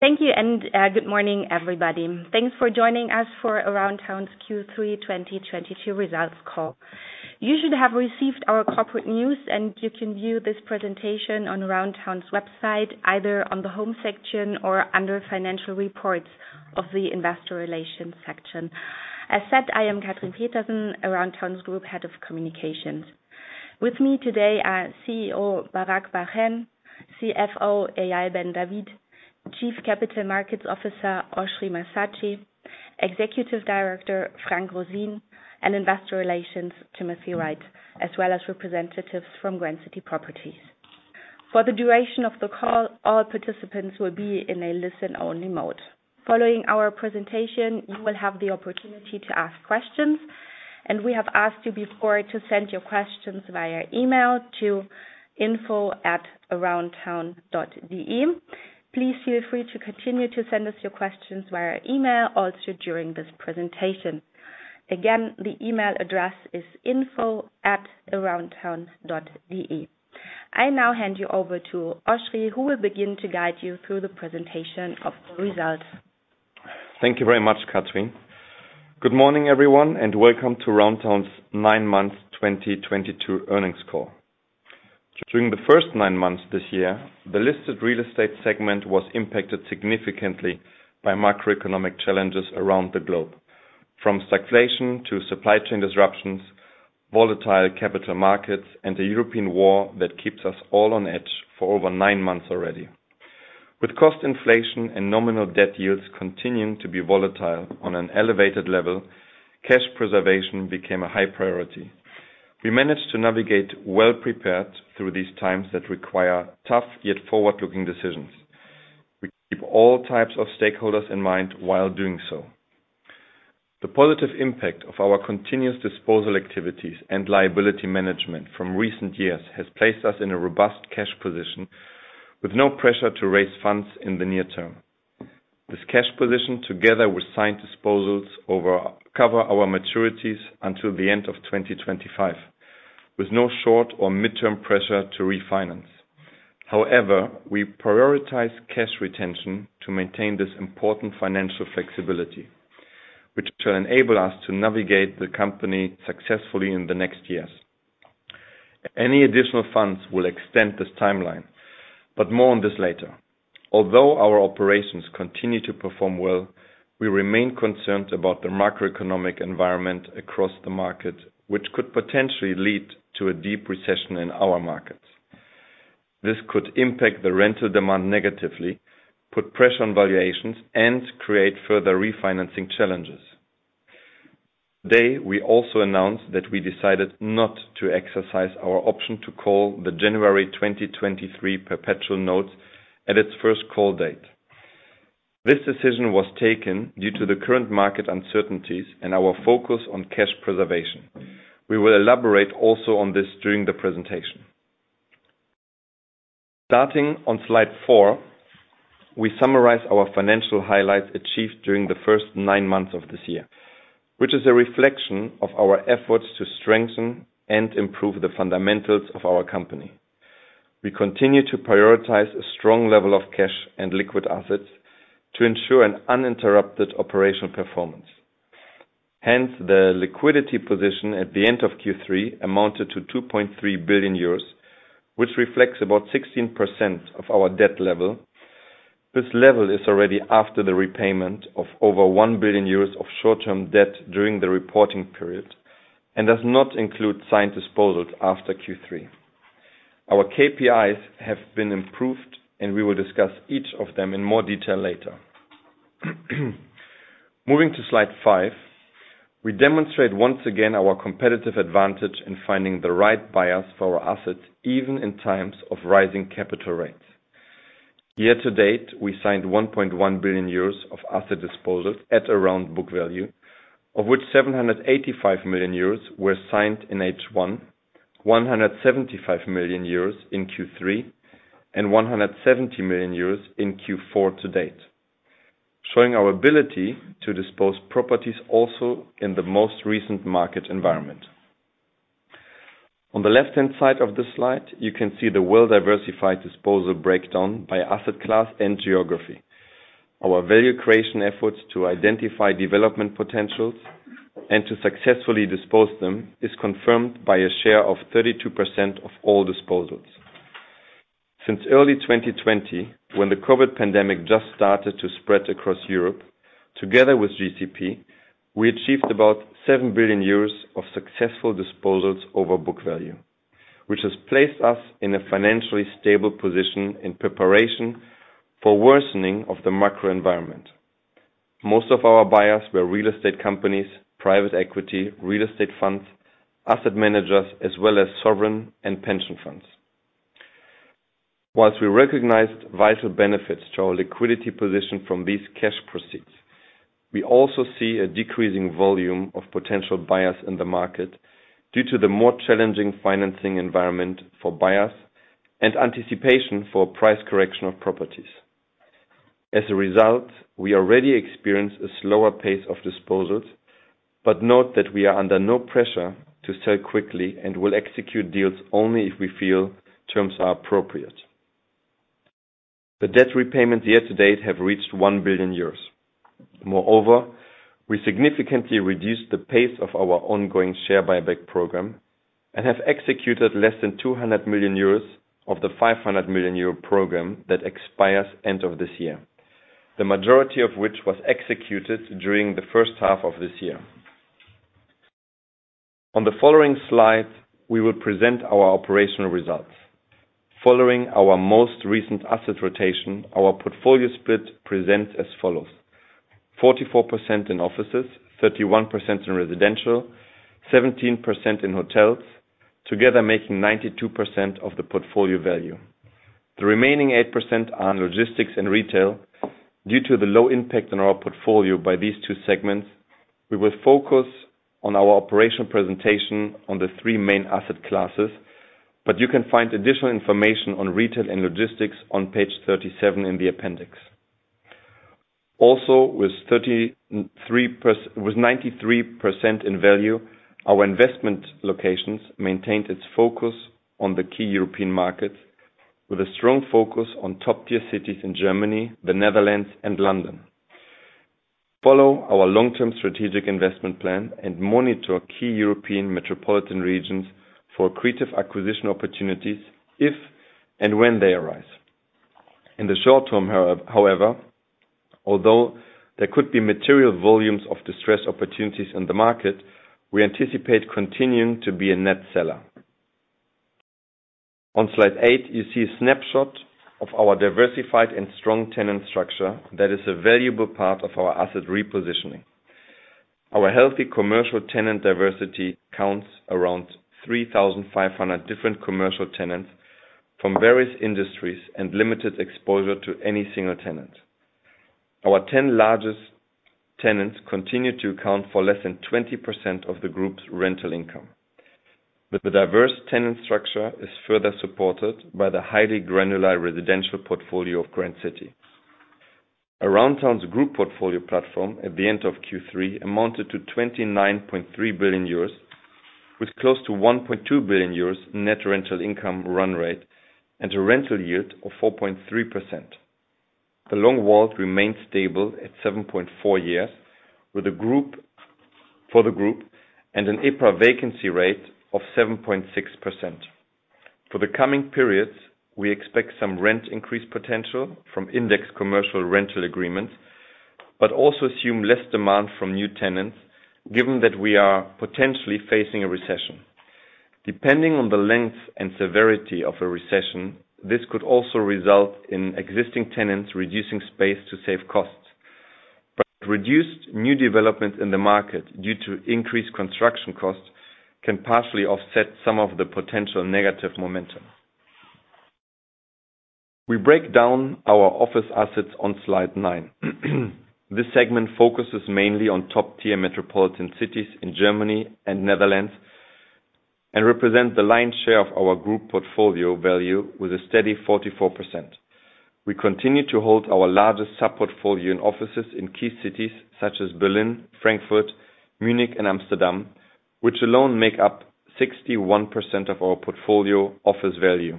Thank you. Good morning, everybody. Thanks for joining us for Aroundtown's Q3 2022 results call. You should have received our corporate news. You can view this presentation on aroundtown.de, either on the Home section or under Financial Reports of the Investor Relations section. As said, I am Katrin Petersen, Aroundtown's Group Head of Communications. With me today are CEO, Barak Bar-Hen, CFO, Eyal Ben David, Chief Capital Markets Officer, Oschrie Massatschi, Executive Director, Frank Roseen, Investor Relations, Timothy Wright, as well as representatives from Grand City Properties. For the duration of the call, all participants will be in a listen-only mode. Following our presentation, you will have the opportunity to ask questions. We have asked you before to send your questions via email to info@aroundtown.de. Please feel free to continue to send us your questions via email also during this presentation. Again, the email address is info@aroundtown.de. I now hand you over to Oschrie, who will begin to guide you through the presentation of the results. Thank you very much, Katrin. Good morning, everyone. Welcome to Aroundtown's nine-month 2022 earnings call. During the first nine months this year, the listed real estate segment was impacted significantly by macroeconomic challenges around the globe, from stagflation to supply chain disruptions, volatile capital markets, the European war that keeps us all on edge for over nine months already. With cost inflation and nominal debt yields continuing to be volatile on an elevated level, cash preservation became a high priority. We managed to navigate well-prepared through these times that require tough yet forward-looking decisions. We keep all types of stakeholders in mind while doing so. The positive impact of our continuous disposal activities and liability management from recent years has placed us in a robust cash position with no pressure to raise funds in the near term. This cash position, together with signed disposals, cover our maturities until the end of 2025, with no short or mid-term pressure to refinance. We prioritize cash retention to maintain this important financial flexibility, which will enable us to navigate the company successfully in the next years. Any additional funds will extend this timeline. More on this later. Our operations continue to perform well. We remain concerned about the macroeconomic environment across the market, which could potentially lead to a deep recession in our markets. This could impact the rental demand negatively, put pressure on valuations, create further refinancing challenges. Today, we also announced that we decided not to exercise our option to call the January 2023 perpetual notes at its first call date. This decision was taken due to the current market uncertainties and our focus on cash preservation. We will elaborate also on this during the presentation. Starting on slide four, we summarize our financial highlights achieved during the first nine months of this year, which is a reflection of our efforts to strengthen and improve the fundamentals of our company. We continue to prioritize a strong level of cash and liquid assets to ensure an uninterrupted operational performance. Hence, the liquidity position at the end of Q3 amounted to 2.3 billion euros, which reflects about 16% of our debt level. This level is already after the repayment of over 1 billion euros of short-term debt during the reporting period, and does not include signed disposals after Q3. Our KPIs have been improved, and we will discuss each of them in more detail later. Moving to slide five, we demonstrate once again our competitive advantage in finding the right buyers for our assets, even in times of rising capital rates. Year to date, we signed 1.1 billion euros of asset disposals at around book value, of which 785 million euros were signed in H1, 175 million euros in Q3, and 170 million euros in Q4 to date, showing our ability to dispose properties also in the most recent market environment. On the left-hand side of the slide, you can see the well-diversified disposal breakdown by asset class and geography. Our value creation efforts to identify development potentials and to successfully dispose them is confirmed by a share of 32% of all disposals. Since early 2020, when the COVID pandemic just started to spread across Europe, together with GCP, we achieved about 7 billion euros of successful disposals over book value, which has placed us in a financially stable position in preparation for worsening of the macro environment. Most of our buyers were real estate companies, private equity, real estate funds, asset managers, as well as sovereign and pension funds. Whilst we recognized vital benefits to our liquidity position from these cash proceeds, we also see a decreasing volume of potential buyers in the market due to the more challenging financing environment for buyers and anticipation for price correction of properties. As a result, we already experience a slower pace of disposals. Note that we are under no pressure to sell quickly and will execute deals only if we feel terms are appropriate. The debt repayments year to date have reached 1 billion euros. Moreover, we significantly reduced the pace of our ongoing share buyback program and have executed less than 200 million euros of the 500 million euro program that expires end of this year. The majority of which was executed during the first half of this year. On the following slide, we will present our operational results. Following our most recent asset rotation, our portfolio split presents as follows: 44% in offices, 31% in residential, 17% in hotels, together making 92% of the portfolio value. The remaining 8% are in logistics and retail. Due to the low impact on our portfolio by these two segments, we will focus on our operational presentation on the three main asset classes, but you can find additional information on retail and logistics on page 37 in the appendix. Also, with 93% in value, our investment locations maintained its focus on the key European markets with a strong focus on top-tier cities in Germany, the Netherlands, and London. Follow our long-term strategic investment plan and monitor key European metropolitan regions for accretive acquisition opportunities if and when they arise. In the short term, however, although there could be material volumes of distressed opportunities in the market, we anticipate continuing to be a net seller. On slide eight, you see a snapshot of our diversified and strong tenant structure that is a valuable part of our asset repositioning. Our healthy commercial tenant diversity counts around 3,500 different commercial tenants from various industries and limited exposure to any single tenant. Our 10 largest tenants continue to account for less than 20% of the group's rental income. The diverse tenant structure is further supported by the highly granular residential portfolio of Grand City. Aroundtown's group portfolio platform at the end of Q3 amounted to 29.3 billion euros with close to 1.2 billion euros net rental income run rate, and a rental yield of 4.3%. The WALT remained stable at 7.4 years for the group and an EPRA vacancy rate of 7.6%. For the coming periods, we expect some rent increase potential from index commercial rental agreements, also assume less demand from new tenants, given that we are potentially facing a recession. Depending on the length and severity of a recession, this could also result in existing tenants reducing space to save costs. Reduced new developments in the market due to increased construction costs can partially offset some of the potential negative momentum. We break down our office assets on slide nine. This segment focuses mainly on top-tier metropolitan cities in Germany and Netherlands and represents the lion's share of our group portfolio value with a steady 44%. We continue to hold our largest sub-portfolio in offices in key cities such as Berlin, Frankfurt, Munich, and Amsterdam, which alone make up 61% of our portfolio office value.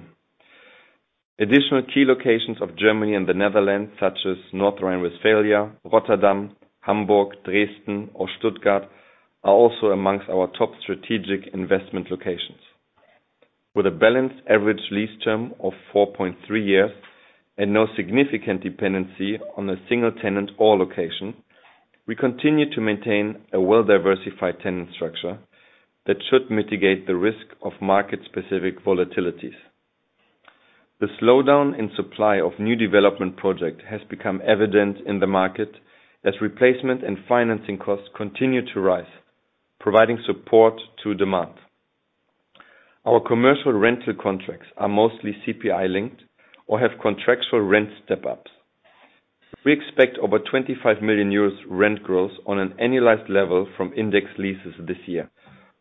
Additional key locations of Germany and the Netherlands, such as North Rhine-Westphalia, Rotterdam, Hamburg, Dresden, or Stuttgart, are also amongst our top strategic investment locations. With a balanced average lease term of 4.3 years and no significant dependency on a single tenant or location, we continue to maintain a well-diversified tenant structure that should mitigate the risk of market-specific volatilities. The slowdown in supply of new development project has become evident in the market as replacement and financing costs continue to rise, providing support to demand. Our commercial rental contracts are mostly CPI linked or have contractual rent step-ups. We expect over 25 million euros rent growth on an annualized level from index leases this year,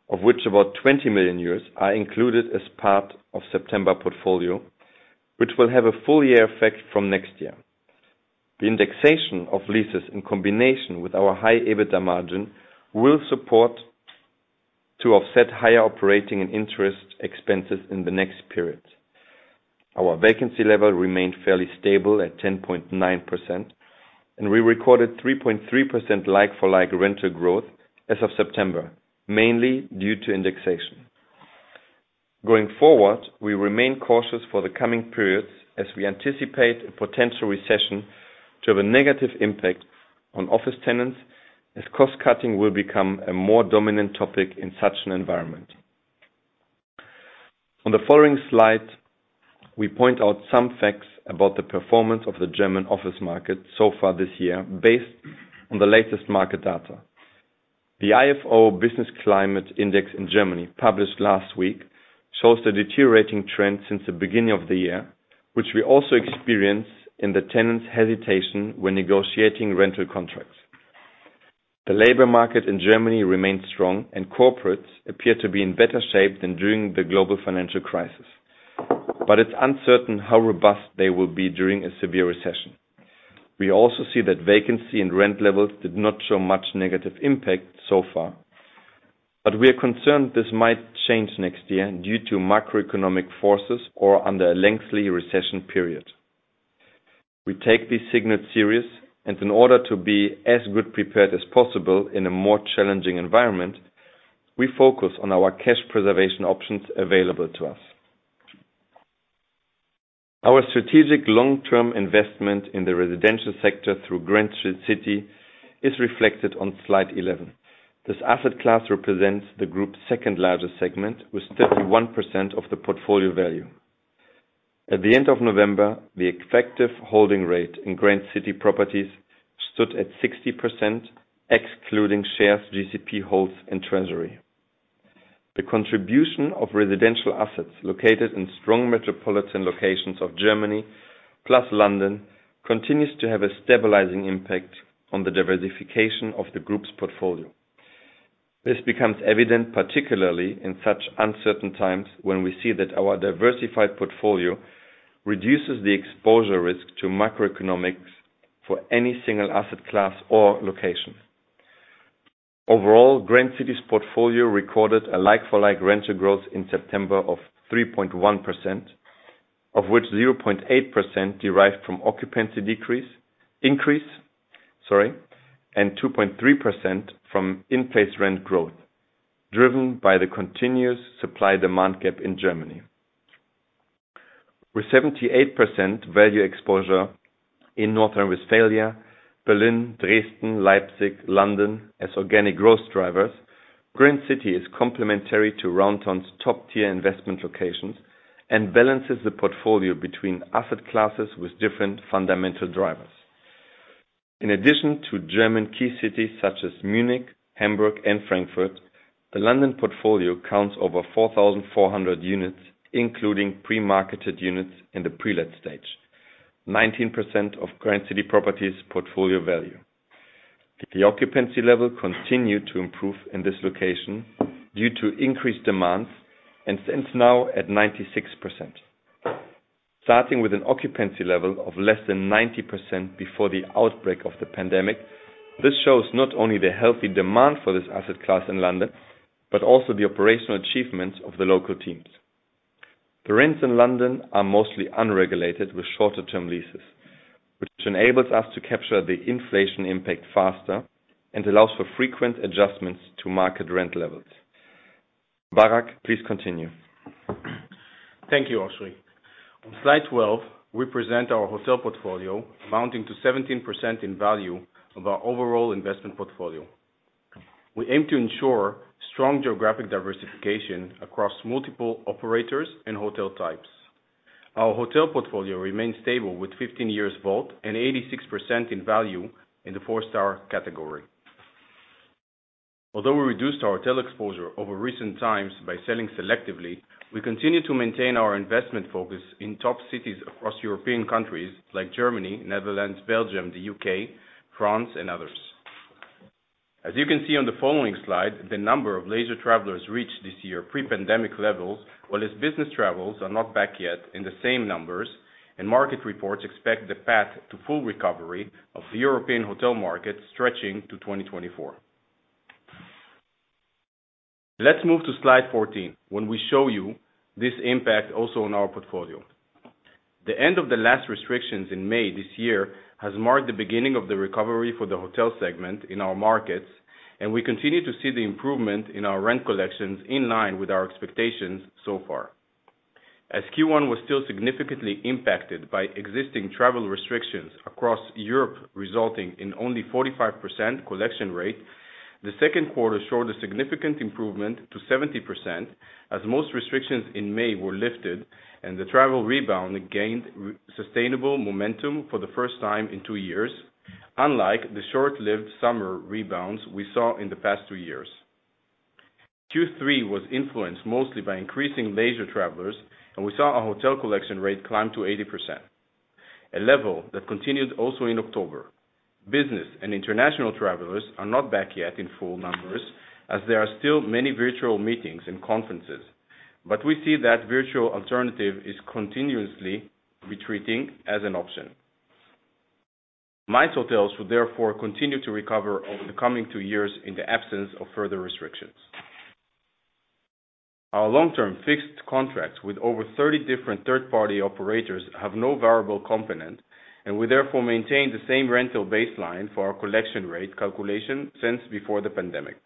of which about 20 million euros are included as part of September portfolio, which will have a full year effect from next year. The indexation of leases in combination with our high EBITDA margin will support to offset higher operating and interest expenses in the next periods. Our vacancy level remained fairly stable at 10.9%, and we recorded 3.3% like-for-like rental growth as of September, mainly due to indexation. Going forward, we remain cautious for the coming periods as we anticipate a potential recession to have a negative impact on office tenants, as cost cutting will become a more dominant topic in such an environment. On the following slide, we point out some facts about the performance of the German office market so far this year based on the latest market data. The IFO Business Climate Index in Germany, published last week, shows the deteriorating trend since the beginning of the year, which we also experience in the tenants' hesitation when negotiating rental contracts. The labor market in Germany remains strong, corporates appear to be in better shape than during the global financial crisis. It's uncertain how robust they will be during a severe recession. We also see that vacancy and rent levels did not show much negative impact so far. We are concerned this might change next year due to macroeconomic forces or under a lengthy recession period. We take these signals seriously, and in order to be as good prepared as possible in a more challenging environment, we focus on our cash preservation options available to us. Our strategic long-term investment in the residential sector through Grand City is reflected on slide 11. This asset class represents the group's second largest segment, with 31% of the portfolio value. At the end of November, the effective holding rate in Grand City Properties stood at 60%, excluding shares GCP holds in treasury. The contribution of residential assets located in strong metropolitan locations of Germany, plus London, continues to have a stabilizing impact on the diversification of the group's portfolio. This becomes evident particularly in such uncertain times, when we see that our diversified portfolio reduces the exposure risk to macroeconomics for any single asset class or location. Overall, Grand City's portfolio recorded a like-for-like rental growth in September of 3.1%, of which 0.8% derived from occupancy decrease. Increase, sorry. 2.3% from in-place rent growth, driven by the continuous supply-demand gap in Germany. With 78% value exposure in North Rhine-Westphalia, Berlin, Dresden, Leipzig, London as organic growth drivers, Grand City is complementary to Aroundtown's top-tier investment locations and balances the portfolio between asset classes with different fundamental drivers. In addition to German key cities such as Munich, Hamburg and Frankfurt, the London portfolio counts over 4,400 units, including pre-marketed units in the pre-let stage. 19% of Grand City Properties portfolio value. The occupancy level continued to improve in this location due to increased demands and stands now at 96%. Starting with an occupancy level of less than 90% before the outbreak of the pandemic, this shows not only the healthy demand for this asset class in London, but also the operational achievements of the local teams. The rents in London are mostly unregulated with shorter-term leases, which enables us to capture the inflation impact faster and allows for frequent adjustments to market rent levels. Barak, please continue. Thank you, Oschrie. On slide 12, we present our hotel portfolio amounting to 17% in value of our overall investment portfolio. We aim to ensure strong geographic diversification across multiple operators and hotel types. Our hotel portfolio remains stable with 15 years WALT and 86% in value in the four-star category. Although we reduced our hotel exposure over recent times by selling selectively, we continue to maintain our investment focus in top cities across European countries like Germany, Netherlands, Belgium, the U.K., France and others. As you can see on the following slide, the number of leisure travelers reached this year pre-pandemic levels, whilst business travels are not back yet in the same numbers and market reports expect the path to full recovery of the European hotel market stretching to 2024. Let's move to slide 14, when we show you this impact also on our portfolio. The end of the last restrictions in May this year has marked the beginning of the recovery for the hotel segment in our markets, and we continue to see the improvement in our rent collections in line with our expectations so far. As Q1 was still significantly impacted by existing travel restrictions across Europe, resulting in only 45% collection rate, the second quarter showed a significant improvement to 70%, as most restrictions in May were lifted and the travel rebound gained sustainable momentum for the first time in two years, unlike the short-lived summer rebounds we saw in the past two years. Q3 was influenced mostly by increasing leisure travelers, and we saw our hotel collection rate climb to 80%, a level that continued also in October. Business and international travelers are not back yet in full numbers, as there are still many virtual meetings and conferences. We see that virtual alternative is continuously retreating as an option. MICE hotels will therefore continue to recover over the coming two years in the absence of further restrictions. Our long-term fixed contracts with over 30 different third-party operators have no variable component, and we therefore maintain the same rental baseline for our collection rate calculation since before the pandemic.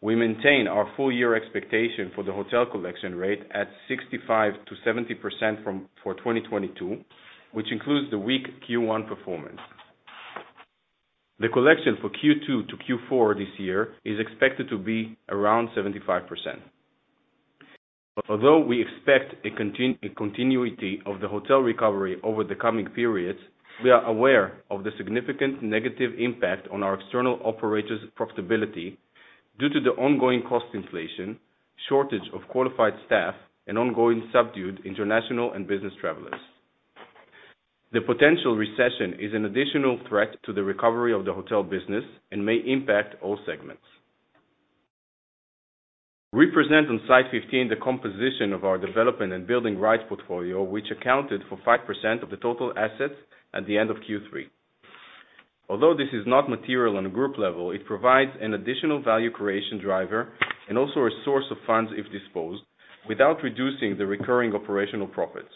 We maintain our full year expectation for the hotel collection rate at 65%-70% for 2022, which includes the weak Q1 performance. The collection for Q2 to Q4 this year is expected to be around 75%. Although we expect a continuity of the hotel recovery over the coming periods, we are aware of the significant negative impact on our external operators' profitability due to the ongoing cost inflation, shortage of qualified staff, and ongoing subdued international and business travelers. The potential recession is an additional threat to the recovery of the hotel business and may impact all segments. We present on slide 15 the composition of our development and building rights portfolio, which accounted for 5% of the total assets at the end of Q3. Although this is not material on a group level, it provides an additional value creation driver and also a source of funds if disposed, without reducing the recurring operational profits.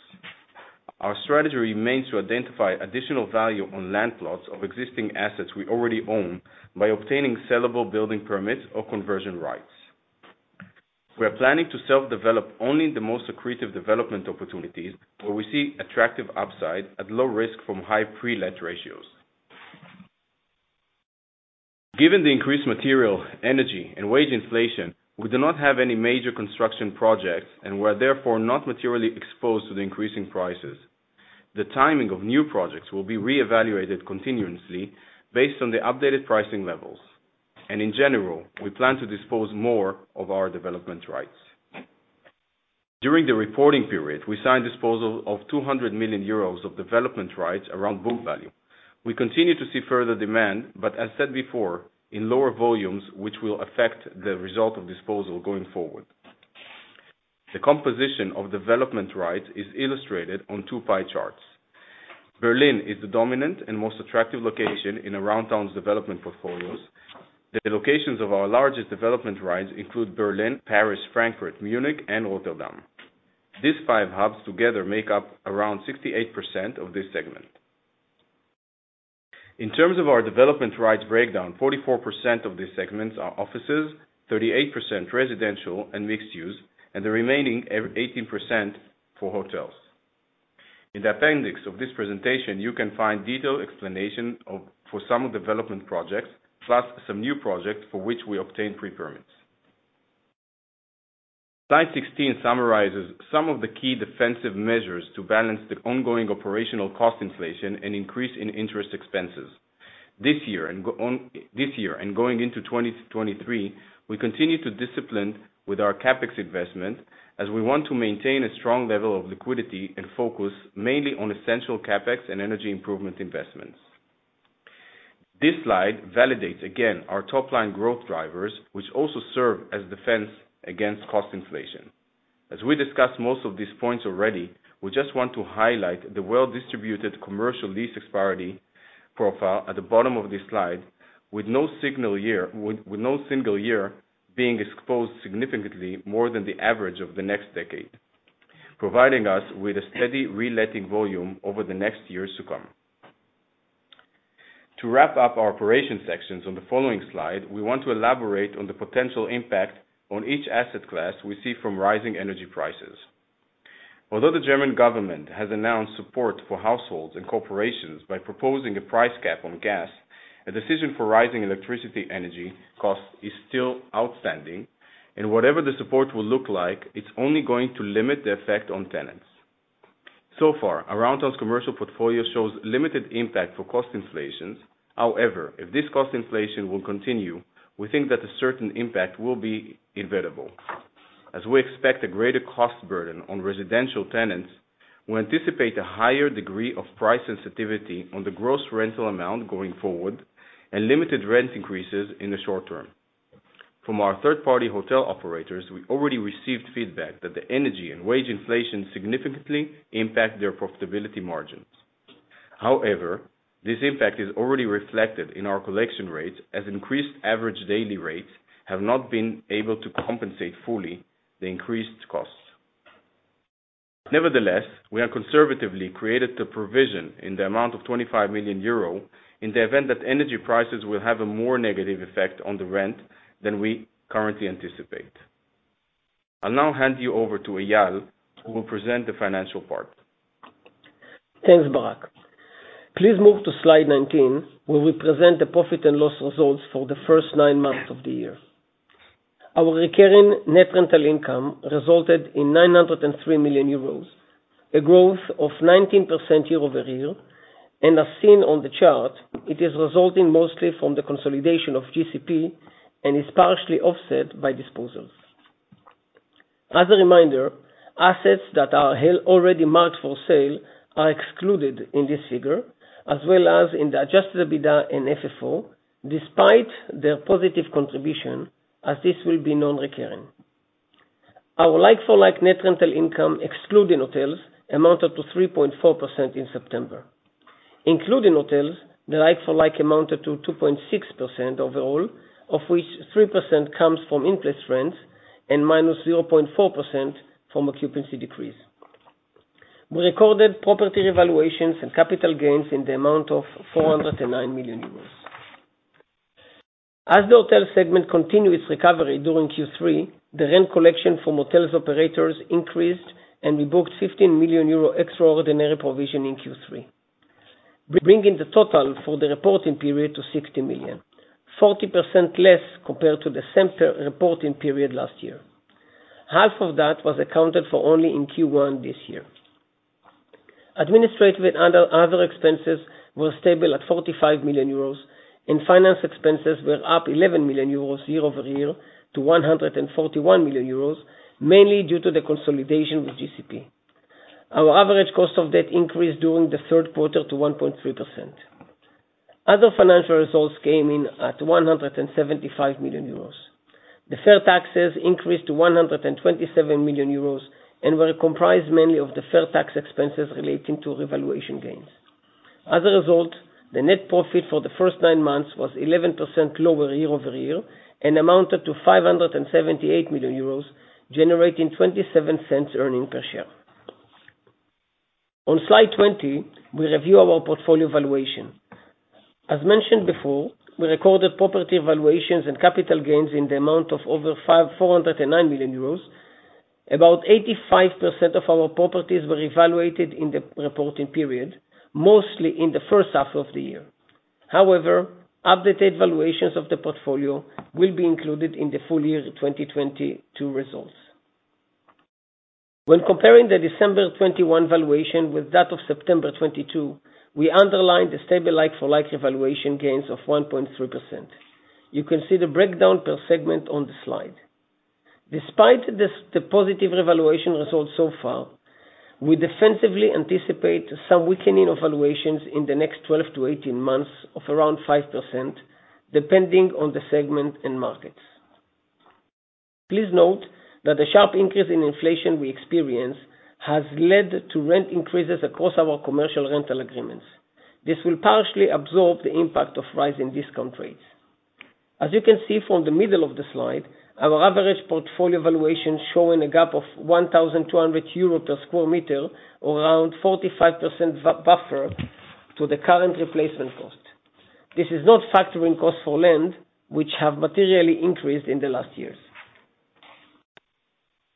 Our strategy remains to identify additional value on land plots of existing assets we already own by obtaining sellable building permits or conversion rights. We are planning to self-develop only the most accretive development opportunities, where we see attractive upside at low risk from high pre-let ratios. Given the increased material, energy, and wage inflation, we do not have any major construction projects and we are therefore not materially exposed to the increasing prices. The timing of new projects will be re-evaluated continuously based on the updated pricing levels. In general, we plan to dispose more of our development rights. During the reporting period, we signed disposal of 200 million euros of development rights around book value. We continue to see further demand, but as said before, in lower volumes, which will affect the result of disposal going forward. The composition of development rights is illustrated on two pie charts. Berlin is the dominant and most attractive location in Aroundtown's development portfolios. The locations of our largest development rights include Berlin, Paris, Frankfurt, Munich, and Rotterdam. These five hubs together make up around 68% of this segment. In terms of our development rights breakdown, 44% of these segments are offices, 38% residential and mixed use, and the remaining 18% for hotels. In the appendix of this presentation, you can find detailed explanation for some development projects, plus some new projects for which we obtained pre-permits. Slide 16 summarizes some of the key defensive measures to balance the ongoing operational cost inflation and increase in interest expenses. This year and going into 2023, we continue to discipline with our CapEx investment, as we want to maintain a strong level of liquidity and focus mainly on essential CapEx and energy improvement investments. This slide validates again our top-line growth drivers, which also serve as defense against cost inflation. As we discussed most of these points already, we just want to highlight the well-distributed commercial lease expiry profile at the bottom of this slide, with no single year being exposed significantly more than the average of the next decade, providing us with a steady re-letting volume over the next years to come. To wrap up our operation sections on the following slide, we want to elaborate on the potential impact on each asset class we see from rising energy prices. Although the German government has announced support for households and corporations by proposing a price cap on gas, a decision for rising electricity energy cost is still outstanding. Whatever the support will look like, it's only going to limit the effect on tenants. So far, Aroundtown's commercial portfolio shows limited impact for cost inflations. However, if this cost inflation will continue, we think that a certain impact will be inevitable. As we expect a greater cost burden on residential tenants, we anticipate a higher degree of price sensitivity on the gross rental amount going forward, and limited rent increases in the short term. From our third-party hotel operators, we already received feedback that the energy and wage inflation significantly impact their profitability margins. However, this impact is already reflected in our collection rates as increased average daily rates have not been able to compensate fully the increased costs. Nevertheless, we have conservatively created a provision in the amount of 25 million euro in the event that energy prices will have a more negative effect on the rent than we currently anticipate. I'll now hand you over to Eyal, who will present the financial part. Thanks, Barak. Please move to slide 19, where we present the profit and loss results for the first nine months of the year. Our recurring net rental income resulted in 903 million euros, a growth of 19% year-over-year, and as seen on the chart, it is resulting mostly from the consolidation of GCP and is partially offset by disposals. As a reminder, assets that are already marked for sale are excluded in this figure, as well as in the adjusted EBITDA and FFO, despite their positive contribution, as this will be non-recurring. Our like-for-like net rental income, excluding hotels, amounted to 3.4% in September. Including hotels, the like-for-like amounted to 2.6% overall, of which 3% comes from interest rents and minus 0.4% from occupancy decrease. We recorded property evaluations and capital gains in the amount of 409 million euros. As the hotel segment continued its recovery during Q3, the rent collection from hotels operators increased, and we booked 15 million euro extraordinary provision in Q3. Bringing the total for the reporting period to 60 million, 40% less compared to the same reporting period last year. Half of that was accounted for only in Q1 this year. Administrative and other expenses were stable at 45 million euros, and finance expenses were up 11 million euros year-over-year to 141 million euros, mainly due to the consolidation with GCP. Our average cost of debt increased during the third quarter to 1.3%. Other financial results came in at 175 million euros. The fair taxes increased to 127 million euros and were comprised mainly of the fair tax expenses relating to revaluation gains. As a result, the net profit for the first nine months was 11% lower year-over-year and amounted to 578 million euros, generating 0.27 earnings per share. On slide 20, we review our portfolio valuation. As mentioned before, we recorded property valuations and capital gains in the amount of over 409 million euros. About 85% of our properties were evaluated in the reporting period, mostly in the first half of the year. Updated valuations of the portfolio will be included in the full year 2022 results. When comparing the December 2021 valuation with that of September 2022, we underline the stable like-for-like valuation gains of 1.3%. You can see the breakdown per segment on the slide. Despite the positive revaluation results so far, we defensively anticipate some weakening of valuations in the next 12 to 18 months of around 5%, depending on the segment and markets. Please note that the sharp increase in inflation we experience has led to rent increases across our commercial rental agreements. This will partially absorb the impact of rising discount rates. As you can see from the middle of the slide, our average portfolio valuation showing a gap of 1,200 euro per square meter or around 45% buffer to the current replacement cost. This is not factoring costs for land, which have materially increased in the last years.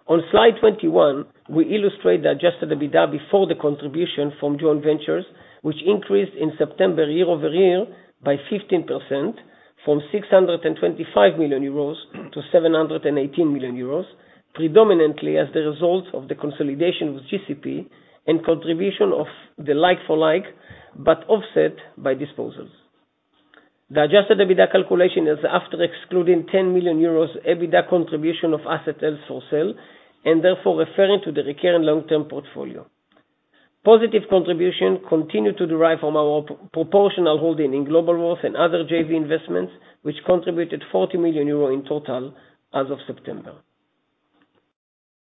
On slide 21, we illustrate the adjusted EBITDA before the contribution from joint ventures, which increased in September year-over-year by 15%, from 625 million euros to 718 million euros, predominantly as the result of the consolidation with GCP and contribution of the like-for-like, but offset by disposals. The adjusted EBITDA calculation is after excluding 10 million euros EBITDA contribution of assets held for sale, and therefore referring to the recurring long-term portfolio. Positive contribution continued to derive from our proportional holding in Globalworth and other JV investments, which contributed 40 million euro in total as of September.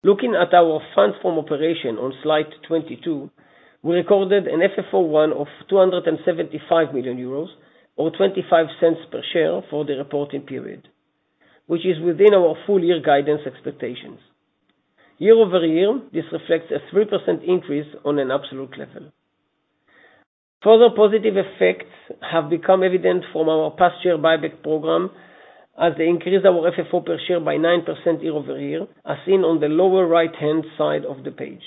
Looking at our funds from operation on slide 22, we recorded an FFO 1 of 775 million euros or 0.25 per share for the reporting period, which is within our full year guidance expectations. Year-over-year, this reflects a 3% increase on an absolute level. Further positive effects have become evident from our past year buyback program as they increase our FFO per share by 9% year-over-year, as seen on the lower right-hand side of the page.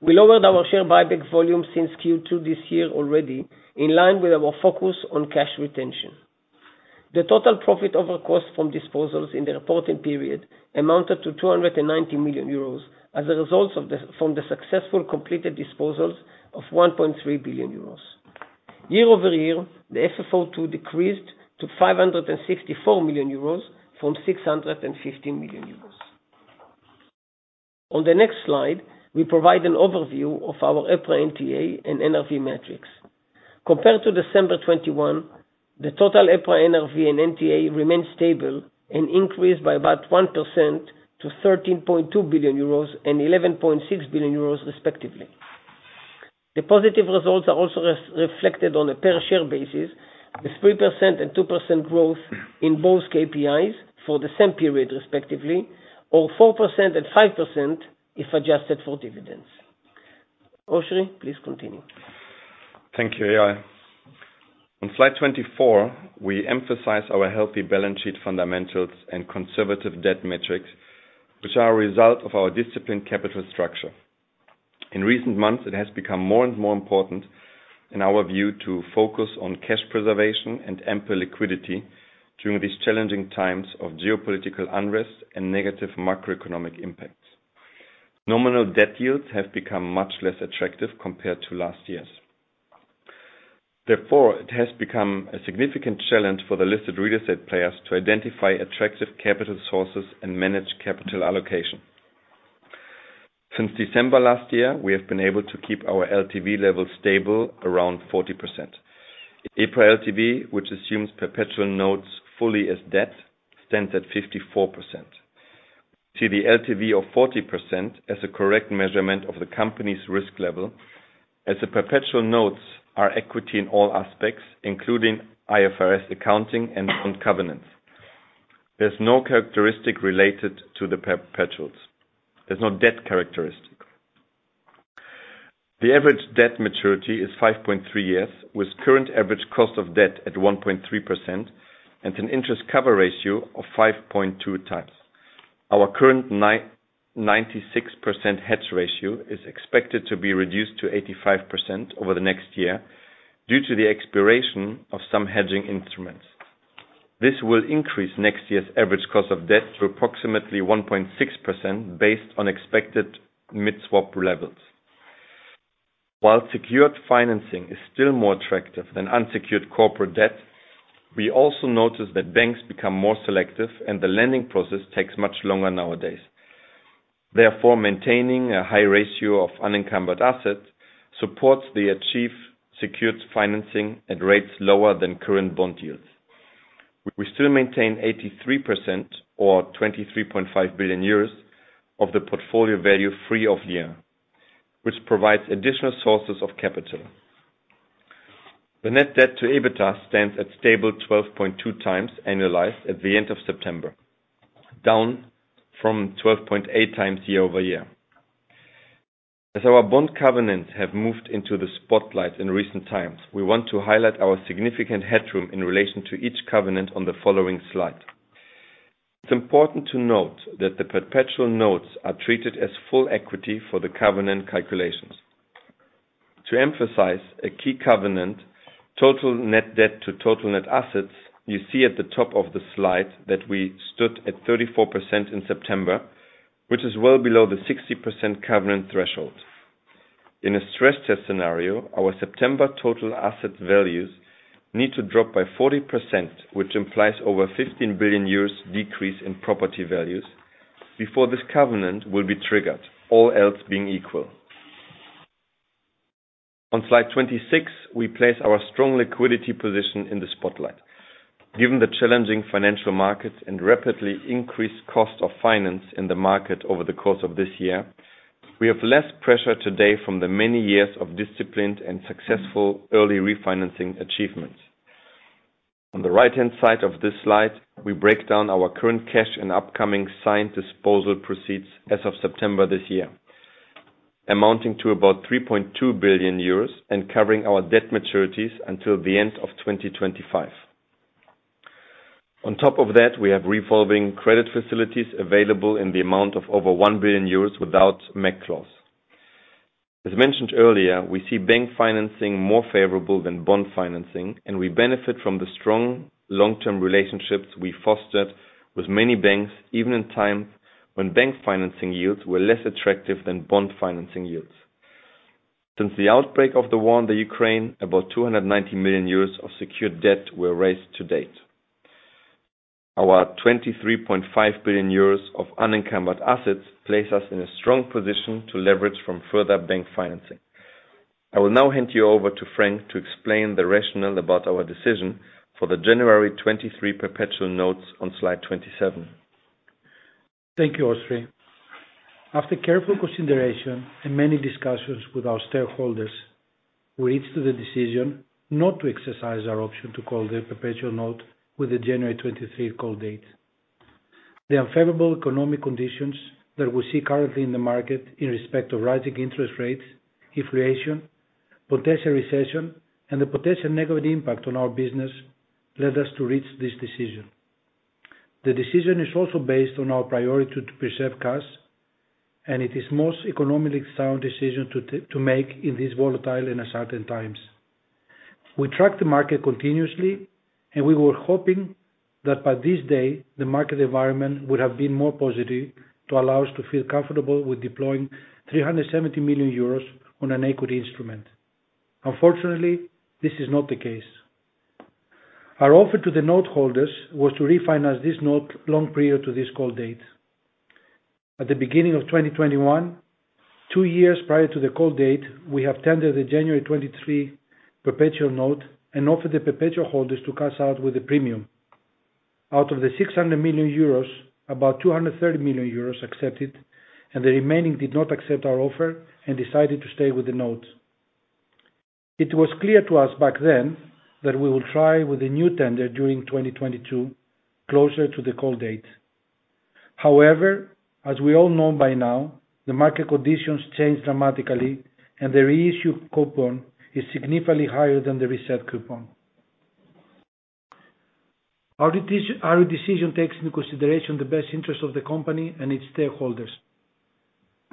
We lowered our share buyback volume since Q2 this year already in line with our focus on cash retention. The total profit over cost from disposals in the reporting period amounted to 290 million euros as results from the successful completed disposals of 1.3 billion euros. Year-over-year, the FFO 2 decreased to 564 million euros from 615 million euros. On the next slide, we provide an overview of our EPRA NTA and NRV metrics. Compared to December 2021, the total EPRA NRV and NTA remained stable and increased by about 1% to 13.2 billion euros and 11.6 billion euros respectively. The positive results are also reflected on a per share basis with 3% and 2% growth in both KPIs for the same period respectively, or 4% and 5% if adjusted for dividends. Oschrie, please continue. Thank you, Eyal. On slide 24, we emphasize our healthy balance sheet fundamentals and conservative debt metrics, which are a result of our disciplined capital structure. In recent months, it has become more and more important in our view, to focus on cash preservation and ample liquidity during these challenging times of geopolitical unrest and negative macroeconomic impacts. Nominal debt yields have become much less attractive compared to last year's. Therefore, it has become a significant challenge for the listed real estate players to identify attractive capital sources and manage capital allocation. Since December last year, we have been able to keep our LTV level stable around 40%. EPRA LTV, which assumes perpetual notes fully as debt, stands at 54%. We see the LTV of 40% as a correct measurement of the company's risk level, as the perpetual notes are equity in all aspects, including IFRS accounting and on covenants. There's no characteristic related to the perpetuals. There's no debt characteristic. The average debt maturity is 5.3 years, with current average cost of debt at 1.3% and an interest cover ratio of 5.2x. Our current 96% hedge ratio is expected to be reduced to 85% over the next year due to the expiration of some hedging instruments. This will increase next year's average cost of debt to approximately 1.6% based on expected mid-swap levels. While secured financing is still more attractive than unsecured corporate debt, we also notice that banks become more selective and the lending process takes much longer nowadays. Therefore, maintaining a high ratio of unencumbered assets supports the achieved secured financing at rates lower than current bond yields. We still maintain 83% or 23.5 billion euros of the portfolio value free of lien, which provides additional sources of capital. The net debt to EBITDA stands at stable 12.2x annualized at the end of September, down from 12.8x year-over-year. As our bond covenants have moved into the spotlight in recent times, we want to highlight our significant headroom in relation to each covenant on the following slide. It's important to note that the perpetual notes are treated as full equity for the covenant calculations. To emphasize a key covenant, total net debt to total net assets, you see at the top of the slide that we stood at 34% in September, which is well below the 60% covenant threshold. In a stress test scenario, our September total asset values need to drop by 40%, which implies over 15 billion decrease in property values before this covenant will be triggered, all else being equal. On slide 26, we place our strong liquidity position in the spotlight. Given the challenging financial markets and rapidly increased cost of finance in the market over the course of this year, we have less pressure today from the many years of disciplined and successful early refinancing achievements. On the right-hand side of this slide, we break down our current cash and upcoming signed disposal proceeds as of September this year, amounting to about 3.2 billion euros and covering our debt maturities until the end of 2025. On top of that, we have revolving credit facilities available in the amount of over 1 billion euros without MAC clause. As mentioned earlier, we see bank financing more favorable than bond financing, and we benefit from the strong long-term relationships we fostered with many banks, even in times when bank financing yields were less attractive than bond financing yields. Since the outbreak of the war in the Ukraine, about 290 million euros of secured debt were raised to date. Our 23.5 billion euros of unencumbered assets place us in a strong position to leverage from further bank financing. I will now hand you over to Frank to explain the rationale about our decision for the January 23 perpetual notes on Slide 27. Thank you, Oschrie. After careful consideration and many discussions with our stakeholders, we reached to the decision not to exercise our option to call the perpetual note with the January 23 call date. The unfavorable economic conditions that we see currently in the market in respect of rising interest rates, inflation, potential recession, and the potential negative impact on our business led us to reach this decision. It is most economically sound decision to make in these volatile and uncertain times. We were hoping that by this day, the market environment would have been more positive to allow us to feel comfortable with deploying 370 million euros on an equity instrument. Unfortunately, this is not the case. Our offer to the note holders was to refinance this note long prior to this call date. At the beginning of 2021, two years prior to the call date, we have tendered the January 23 perpetual note and offered the perpetual holders to cash out with a premium. Out of the 600 million euros, about 230 million euros accepted and the remaining did not accept our offer and decided to stay with the note. It was clear to us back then that we will try with a new tender during 2022, closer to the call date. However, as we all know by now, the market conditions changed dramatically and the reissue coupon is significantly higher than the reset coupon. Our decision takes into consideration the best interest of the company and its stakeholders.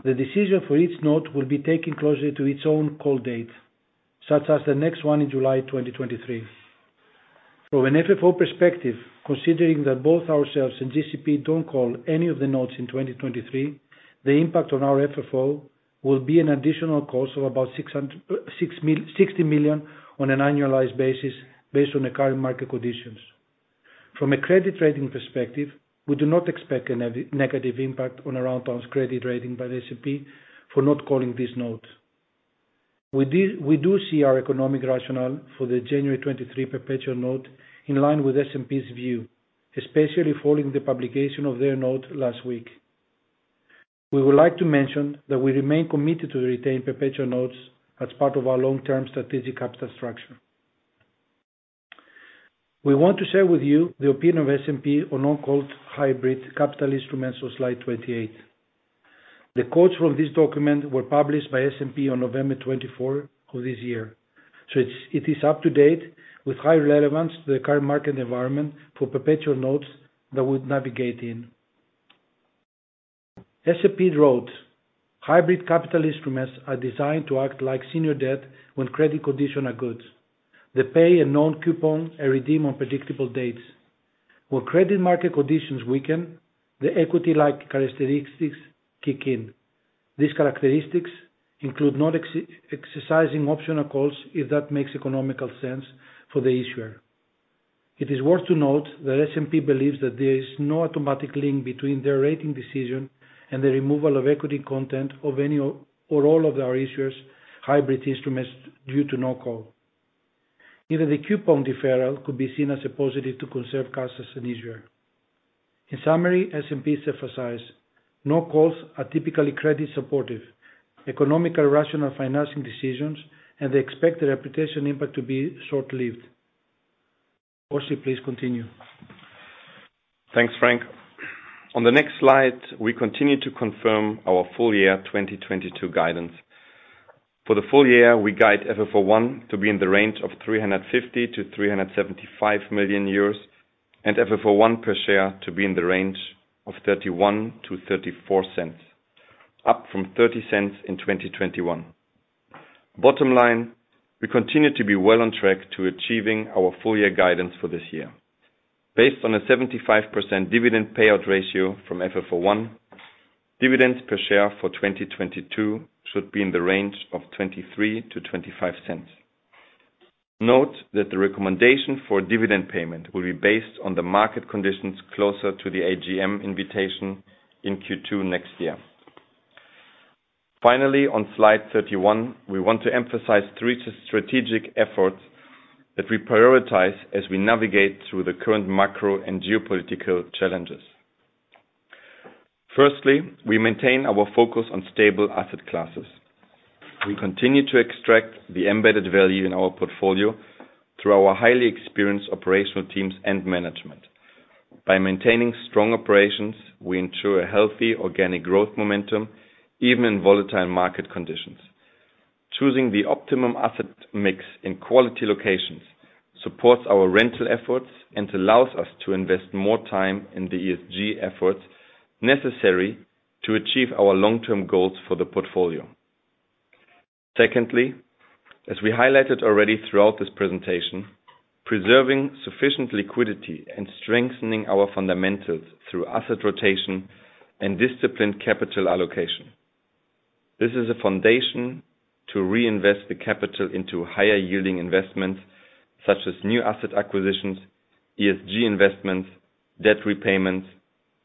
The decision for each note will be taken closer to its own call date, such as the next one in July 2023. From an FFO perspective, considering that both ourselves and GCP don't call any of the notes in 2023, the impact on our FFO will be an additional cost of about 60 million on an annualized basis based on the current market conditions. From a credit rating perspective, we do not expect a negative impact on Aroundtown's credit rating by S&P for not calling this note. We do see our economic rationale for the January 2023 perpetual note in line with S&P's view, especially following the publication of their note last week. We would like to mention that we remain committed to retain perpetual notes as part of our long-term strategic capital structure. We want to share with you the opinion of S&P on non-called hybrid capital instruments on Slide 28. The quotes from this document were published by S&P on November 24 of this year. It is up to date with high relevance to the current market environment for perpetual notes that we navigate in. S&P wrote, "Hybrid capital instruments are designed to act like senior debt when credit conditions are good. They pay a non-coupon and redeem on predictable dates. When credit market conditions weaken, the equity-like characteristics kick in. These characteristics include not exercising optional calls if that makes economic sense for the issuer." It is worth to note that S&P believes that there is no automatic link between their rating decision and the removal of equity content of any or all of our issuers' hybrid instruments due to no call. Even the coupon deferral could be seen as a positive to conserve cash as an issuer. In summary, S&P emphasized no calls are typically credit supportive, economically rational financing decisions, and they expect the reputation impact to be short-lived. Oschrie, please continue. Thanks, Frank. On the next slide, we continue to confirm our full year 2022 guidance. For the full year, we guide FFO 1 to be in the range of 350 million-375 million euros and FFO 1 per share to be in the range of 0.31-0.34, up from 0.30 in 2021. Bottom line, we continue to be well on track to achieving our full year guidance for this year. Based on a 75% dividend payout ratio from FFO 1, dividends per share for 2022 should be in the range of 0.23-0.25. Note that the recommendation for dividend payment will be based on the market conditions closer to the AGM invitation in Q2 next year. Finally, on slide 31, we want to emphasize three strategic efforts that we prioritize as we navigate through the current macro and geopolitical challenges. We maintain our focus on stable asset classes. We continue to extract the embedded value in our portfolio through our highly experienced operational teams and management. By maintaining strong operations, we ensure a healthy organic growth momentum even in volatile market conditions. Choosing the optimum asset mix in quality locations supports our rental efforts and allows us to invest more time in the ESG efforts necessary to achieve our long-term goals for the portfolio. Secondly, as we highlighted already throughout this presentation, preserving sufficient liquidity and strengthening our fundamentals through asset rotation and disciplined capital allocation. This is a foundation to reinvest the capital into higher yielding investments such as new asset acquisitions, ESG investments, debt repayments,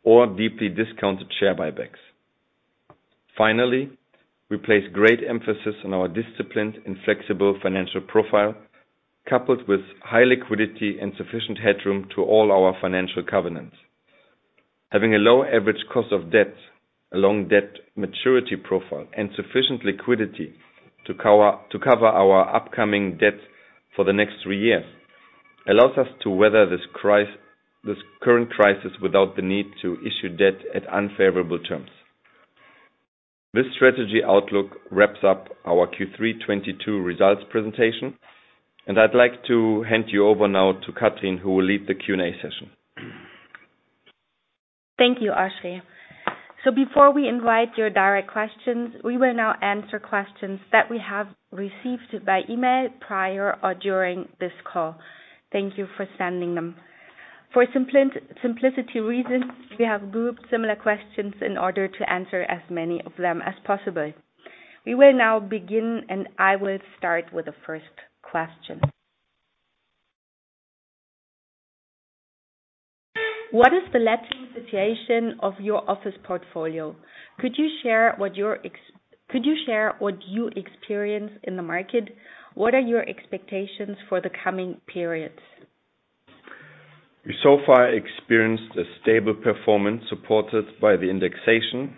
or deeply discounted share buybacks. Finally, we place great emphasis on our disciplined and flexible financial profile, coupled with high liquidity and sufficient headroom to all our financial covenants. Having a low average cost of debt, a long debt maturity profile, and sufficient liquidity to cover our upcoming debt for the next three years, allows us to weather this current crisis without the need to issue debt at unfavorable terms. This strategy outlook wraps up our Q3 2022 results presentation. I'd like to hand you over now to Katrin, who will lead the Q&A session. Thank you, Oschrie. Before we invite your direct questions, we will now answer questions that we have received by email prior or during this call. Thank you for sending them. For simplicity reasons, we have grouped similar questions in order to answer as many of them as possible. We will now begin. I will start with the first question. What is the letting situation of your office portfolio? Could you share what you experience in the market? What are your expectations for the coming periods? We so far experienced a stable performance supported by the indexation.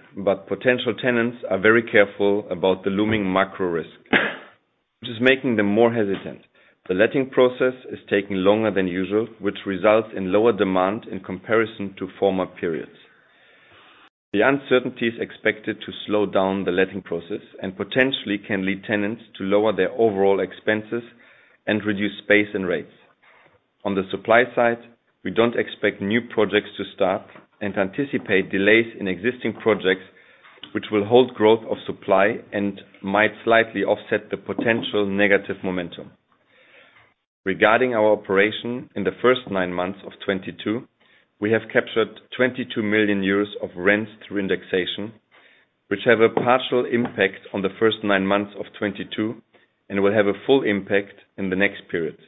Potential tenants are very careful about the looming macro risk, which is making them more hesitant. The letting process is taking longer than usual, which results in lower demand in comparison to former periods. The uncertainty is expected to slow down the letting process and potentially can lead tenants to lower their overall expenses and reduce space and rates. On the supply side, we don't expect new projects to start and anticipate delays in existing projects, which will halt growth of supply and might slightly offset the potential negative momentum. Regarding our operation in the first nine months of 2022, we have captured 22 million euros of rents through indexation, which have a partial impact on the first nine months of 2022 and will have a full impact in the next periods.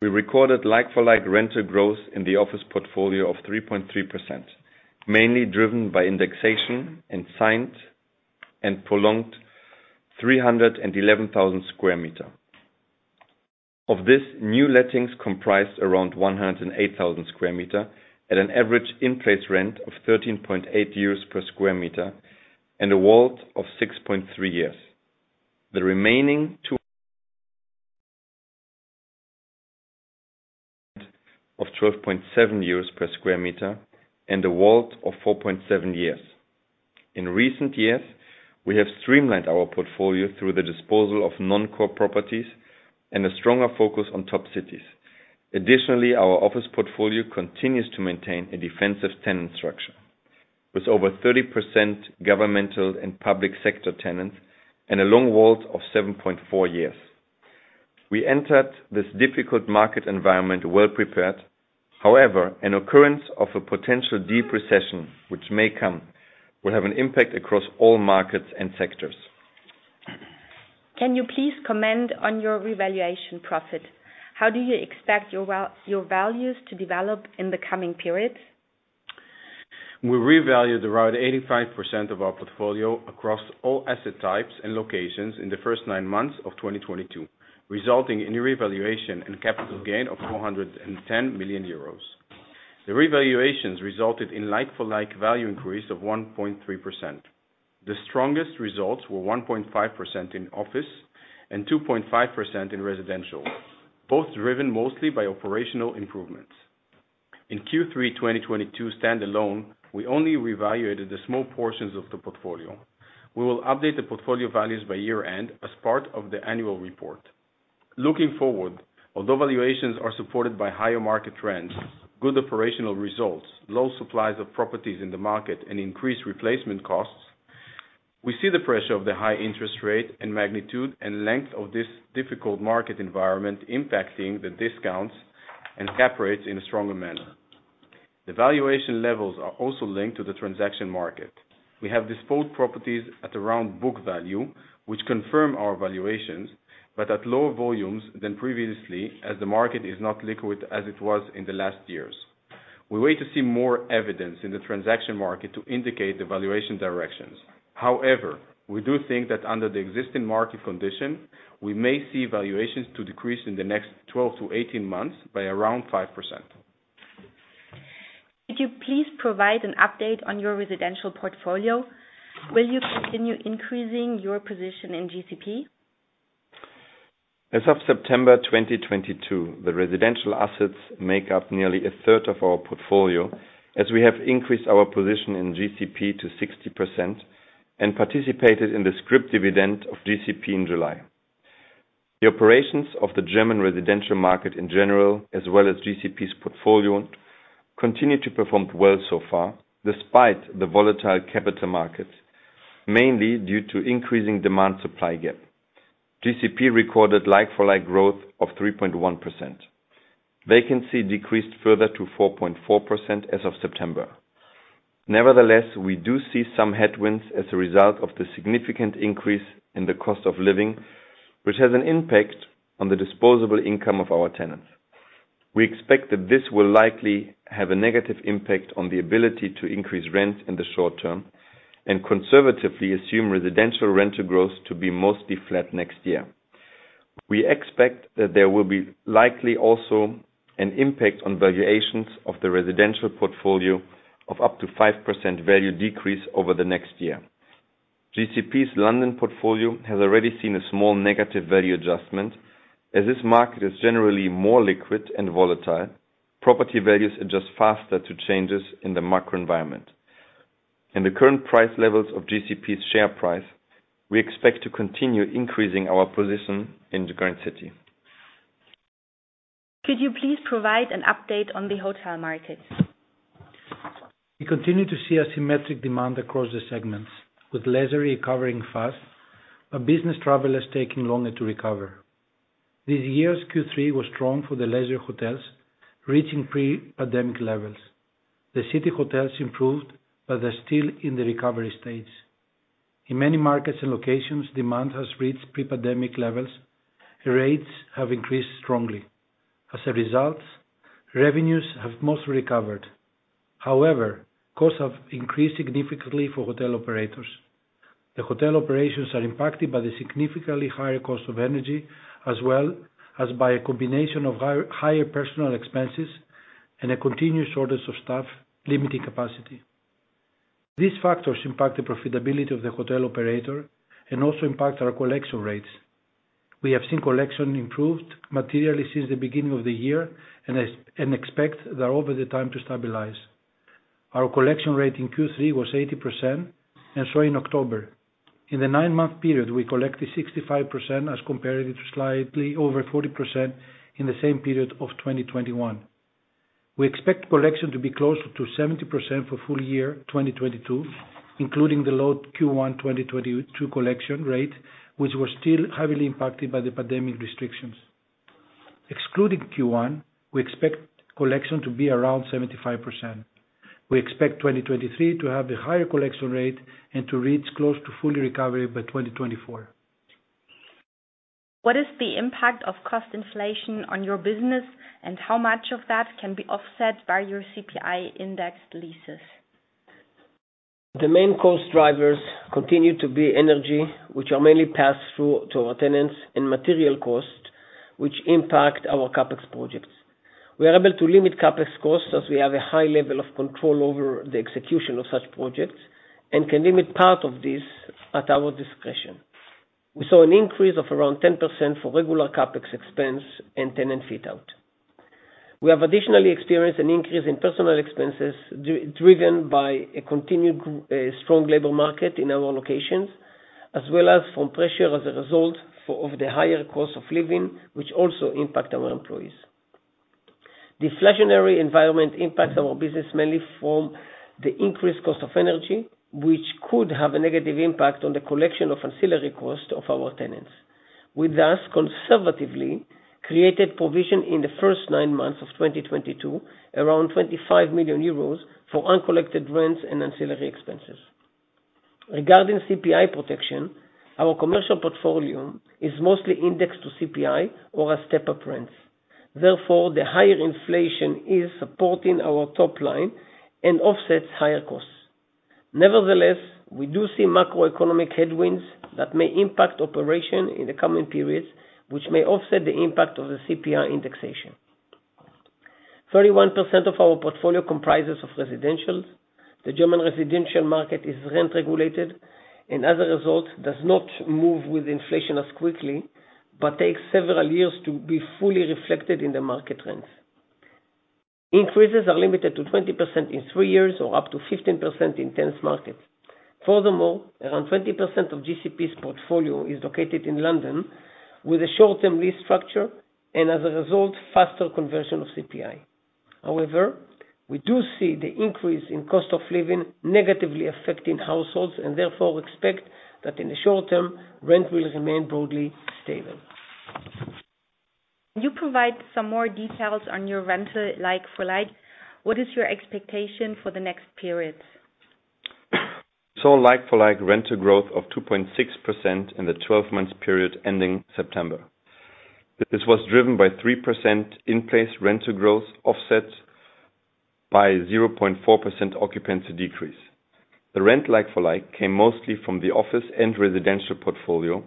We recorded like-for-like rental growth in the office portfolio of 3.3%, mainly driven by indexation and signed and prolonged 311,000 sq m. Of this, new lettings comprised around 108,000 sq m at an average in-place rent of 13.8 years per sq m and a WALT of 6.3 years. The remaining of 12.7 years per sq m and a WALT of 4.7 years. In recent years, we have streamlined our portfolio through the disposal of non-core properties and a stronger focus on top cities. Additionally, our office portfolio continues to maintain a defensive tenant structure, with over 30% governmental and public sector tenants and a long WALT of 7.4 years. We entered this difficult market environment well-prepared. However, an occurrence of a potential deep recession, which may come, will have an impact across all markets and sectors. Can you please comment on your revaluation profit? How do you expect your values to develop in the coming periods? We revalued around 85% of our portfolio across all asset types and locations in the first nine months of 2022, resulting in a revaluation and capital gain of 410 million euros. The revaluations resulted in like-for-like value increase of 1.3%. The strongest results were 1.5% in office and 2.5% in residential, both driven mostly by operational improvements. In Q3 2022 standalone, we only revaluated the small portions of the portfolio. We will update the portfolio values by year-end as part of the annual report. Looking forward, although valuations are supported by higher market trends, good operational results, low supplies of properties in the market, and increased replacement costs, we see the pressure of the high interest rate and magnitude and length of this difficult market environment impacting the discounts and cap rates in a stronger manner. The valuation levels are also linked to the transaction market. We have disposed properties at around book value, which confirm our valuations, but at lower volumes than previously, as the market is not liquid as it was in the last years. We wait to see more evidence in the transaction market to indicate the valuation directions. However, we do think that under the existing market condition, we may see valuations to decrease in the next 12 to 18 months by around 5%. Could you please provide an update on your residential portfolio? Will you continue increasing your position in GCP? As of September 2022, the residential assets make up nearly a third of our portfolio as we have increased our position in GCP to 60% and participated in the scrip dividend of GCP in July. The operations of the German residential market in general, as well as GCP's portfolio, continue to perform well so far despite the volatile capital markets, mainly due to increasing demand-supply gap. GCP recorded like-for-like growth of 3.1%. Vacancy decreased further to 4.4% as of September. Nevertheless, we do see some headwinds as a result of the significant increase in the cost of living, which has an impact on the disposable income of our tenants. We expect that this will likely have a negative impact on the ability to increase rent in the short term, and conservatively assume residential rental growth to be mostly flat next year. We expect that there will be likely also an impact on valuations of the residential portfolio of up to 5% value decrease over the next year. GCP's London portfolio has already seen a small negative value adjustment. As this market is generally more liquid and volatile, property values adjust faster to changes in the macro environment. In the current price levels of GCP's share price, we expect to continue increasing our position in the Grand City. Could you please provide an update on the hotel market? We continue to see asymmetric demand across the segments, with leisure recovering fast, but business travel is taking longer to recover. This year's Q3 was strong for the leisure hotels, reaching pre-pandemic levels. The city hotels improved, but are still in the recovery stage. In many markets and locations, demand has reached pre-pandemic levels. Rates have increased strongly. Revenues have mostly recovered. Costs have increased significantly for hotel operators. The hotel operations are impacted by the significantly higher cost of energy, as well as by a combination of higher personal expenses and a continuous shortage of staff, limiting capacity. These factors impact the profitability of the hotel operator and also impact our collection rates. We have seen collection improved materially since the beginning of the year and expect that over the time to stabilize. Our collection rate in Q3 was 80% in October. In the nine-month period, we collected 65% as compared to slightly over 40% in the same period of 2021. We expect collection to be closer to 70% for full year 2022, including the low Q1 2022 collection rate, which was still heavily impacted by the pandemic restrictions. Excluding Q1, we expect collection to be around 75%. We expect 2023 to have a higher collection rate and to reach close to full recovery by 2024. What is the impact of cost inflation on your business, and how much of that can be offset by your CPI-indexed leases? The main cost drivers continue to be energy, which are mainly passed through to our tenants, and material cost, which impact our CapEx projects. We are able to limit CapEx costs as we have a high level of control over the execution of such projects and can limit part of this at our discretion. We saw an increase of around 10% for regular CapEx expense and tenant fit-out. We have additionally experienced an increase in personal expenses, driven by a continued strong labor market in our locations, as well as from pressure as a result of the higher cost of living, which also impact our employees. The inflationary environment impacts our business mainly from the increased cost of energy, which could have a negative impact on the collection of ancillary costs of our tenants. We conservatively created provision in the first nine months of 2022, around 25 million euros for uncollected rents and ancillary expenses. Regarding CPI protection, our commercial portfolio is mostly indexed to CPI or has step-up rents. The higher inflation is supporting our top line and offsets higher costs. We do see macroeconomic headwinds that may impact operation in the coming periods, which may offset the impact of the CPI indexation. 31% of our portfolio comprises of residential. The German residential market is rent-regulated, and as a result, does not move with inflation as quickly, but takes several years to be fully reflected in the market rents. Increases are limited to 20% in three years or up to 15% in tense markets. Furthermore, around 20% of GCP's portfolio is located in London with a short-term lease structure, and as a result, faster conversion of CPI. However, we do see the increase in cost of living negatively affecting households, expect that in the short term, rent will remain broadly stable. Can you provide some more details on your rental like-for-like? What is your expectation for the next periods? Like-for-like rental growth of 2.6% in the 12 months period ending September. This was driven by 3% in-place rental growth offset by 0.4% occupancy decrease. The rent like-for-like came mostly from the office and residential portfolio,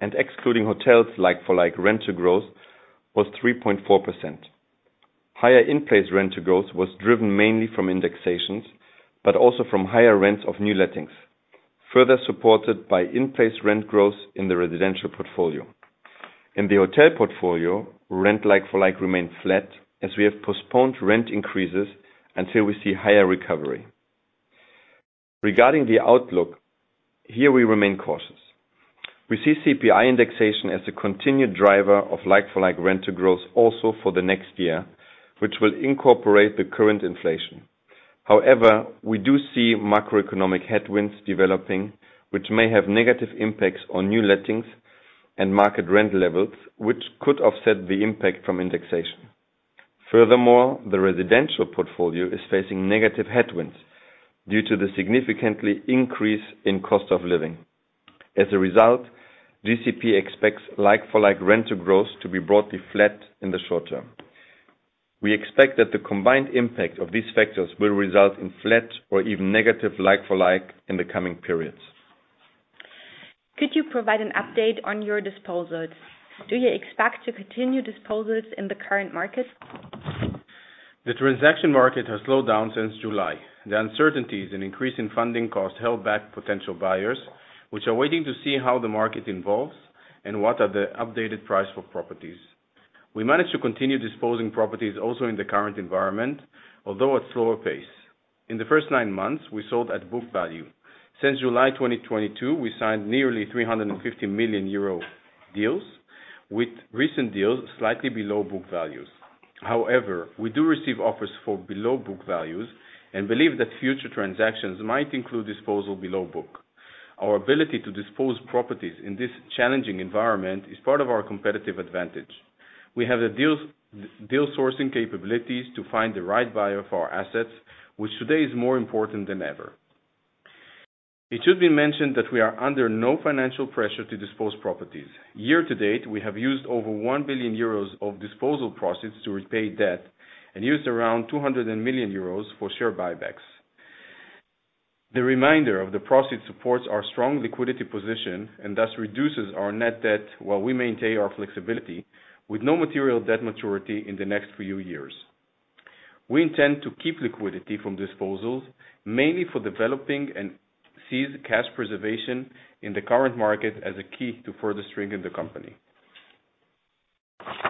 excluding hotels like-for-like rental growth was 3.4%. Higher in-place rental growth was driven mainly from indexations, also from higher rents of new lettings, further supported by in-place rent growth in the residential portfolio. In the hotel portfolio, rent like-for-like remained flat, as we have postponed rent increases until we see higher recovery. Regarding the outlook, here we remain cautious. We see CPI indexation as a continued driver of like-for-like rental growth also for the next year, which will incorporate the current inflation. We do see macroeconomic headwinds developing, which may have negative impacts on new lettings and market rent levels, which could offset the impact from indexation. Furthermore, the residential portfolio is facing negative headwinds due to the significantly increase in cost of living. As a result, GCP expects like-for-like rental growth to be broadly flat in the short term. We expect that the combined impact of these factors will result in flat or even negative like-for-like in the coming periods. Could you provide an update on your disposals? Do you expect to continue disposals in the current market? The transaction market has slowed down since July. The uncertainties and increase in funding costs held back potential buyers, which are waiting to see how the market evolves and what are the updated price for properties. We managed to continue disposing properties also in the current environment, although at slower pace. In the first nine months, we sold at book value. Since July 2022, we signed nearly 350 million euro deals, with recent deals slightly below book values. However, we do receive offers for below book values and believe that future transactions might include disposal below book. Our ability to dispose properties in this challenging environment is part of our competitive advantage. We have a deal sourcing capabilities to find the right buyer for our assets, which today is more important than ever. It should be mentioned that we are under no financial pressure to dispose properties. Year to date, we have used over 1 billion euros of disposal proceeds to repay debt and used around 200 million euros for share buybacks. The remainder of the proceeds supports our strong liquidity position and thus reduces our net debt while we maintain our flexibility with no material debt maturity in the next few years. We intend to keep liquidity from disposals, mainly for developing and seize cash preservation in the current market as a key to further strengthen the company.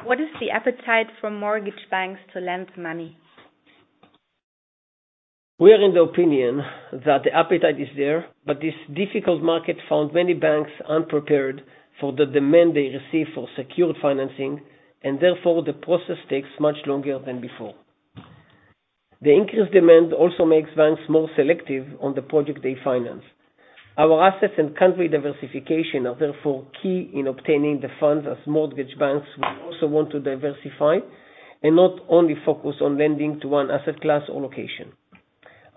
What is the appetite for mortgage banks to lend money? We are in the opinion that the appetite is there, but this difficult market found many banks unprepared for the demand they receive for secured financing, and therefore, the process takes much longer than before. The increased demand also makes banks more selective on the project they finance. Our assets and country diversification are therefore key in obtaining the funds as mortgage banks will also want to diversify and not only focus on lending to one asset class or location.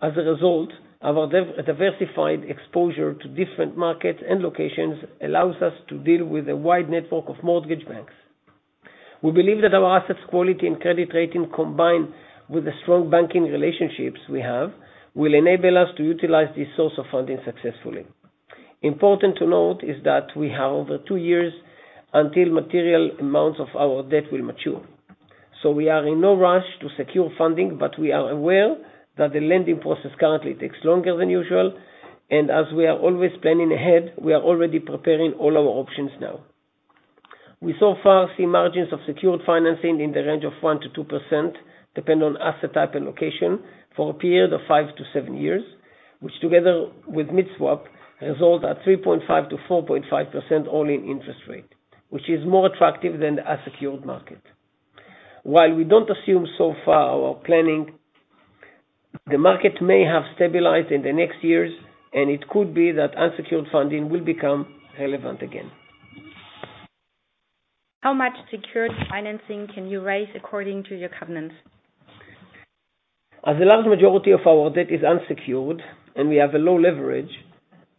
As a result, our diversified exposure to different markets and locations allows us to deal with a wide network of mortgage banks. We believe that our assets' quality and credit rating, combined with the strong banking relationships we have, will enable us to utilize this source of funding successfully. Important to note is that we have over two years until material amounts of our debt will mature. We are in no rush to secure funding, but we are aware that the lending process currently takes longer than usual, and as we are always planning ahead, we are already preparing all our options now. We so far see margins of secured financing in the range of 1%-2%, depend on asset type and location, for a period of five to seven years, which together with mid-swap, result at 3.5%-4.5% all-in interest rate, which is more attractive than the unsecured market. While we don't assume so far our planning The market may have stabilized in the next years, and it could be that unsecured funding will become relevant again. How much secured financing can you raise according to your covenants? As the large majority of our debt is unsecured and we have a low leverage,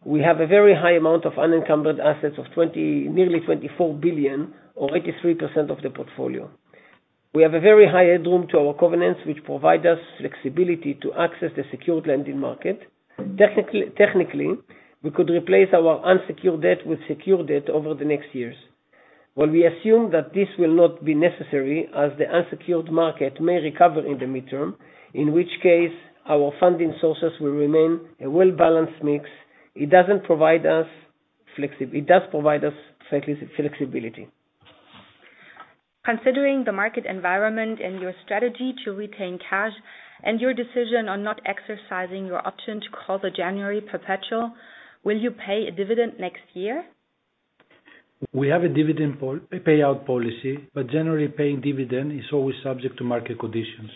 we have a very high amount of unencumbered assets of nearly 24 billion, or 83% of the portfolio. We have a very high headroom to our covenants, which provide us flexibility to access the secured lending market. Technically, we could replace our unsecured debt with secured debt over the next years. While we assume that this will not be necessary as the unsecured market may recover in the midterm, in which case our funding sources will remain a well-balanced mix, it does provide us flexibility. Considering the market environment and your strategy to retain cash and your decision on not exercising your option to call the January perpetual, will you pay a dividend next year? We have a payout policy. Generally, paying dividend is always subject to market conditions.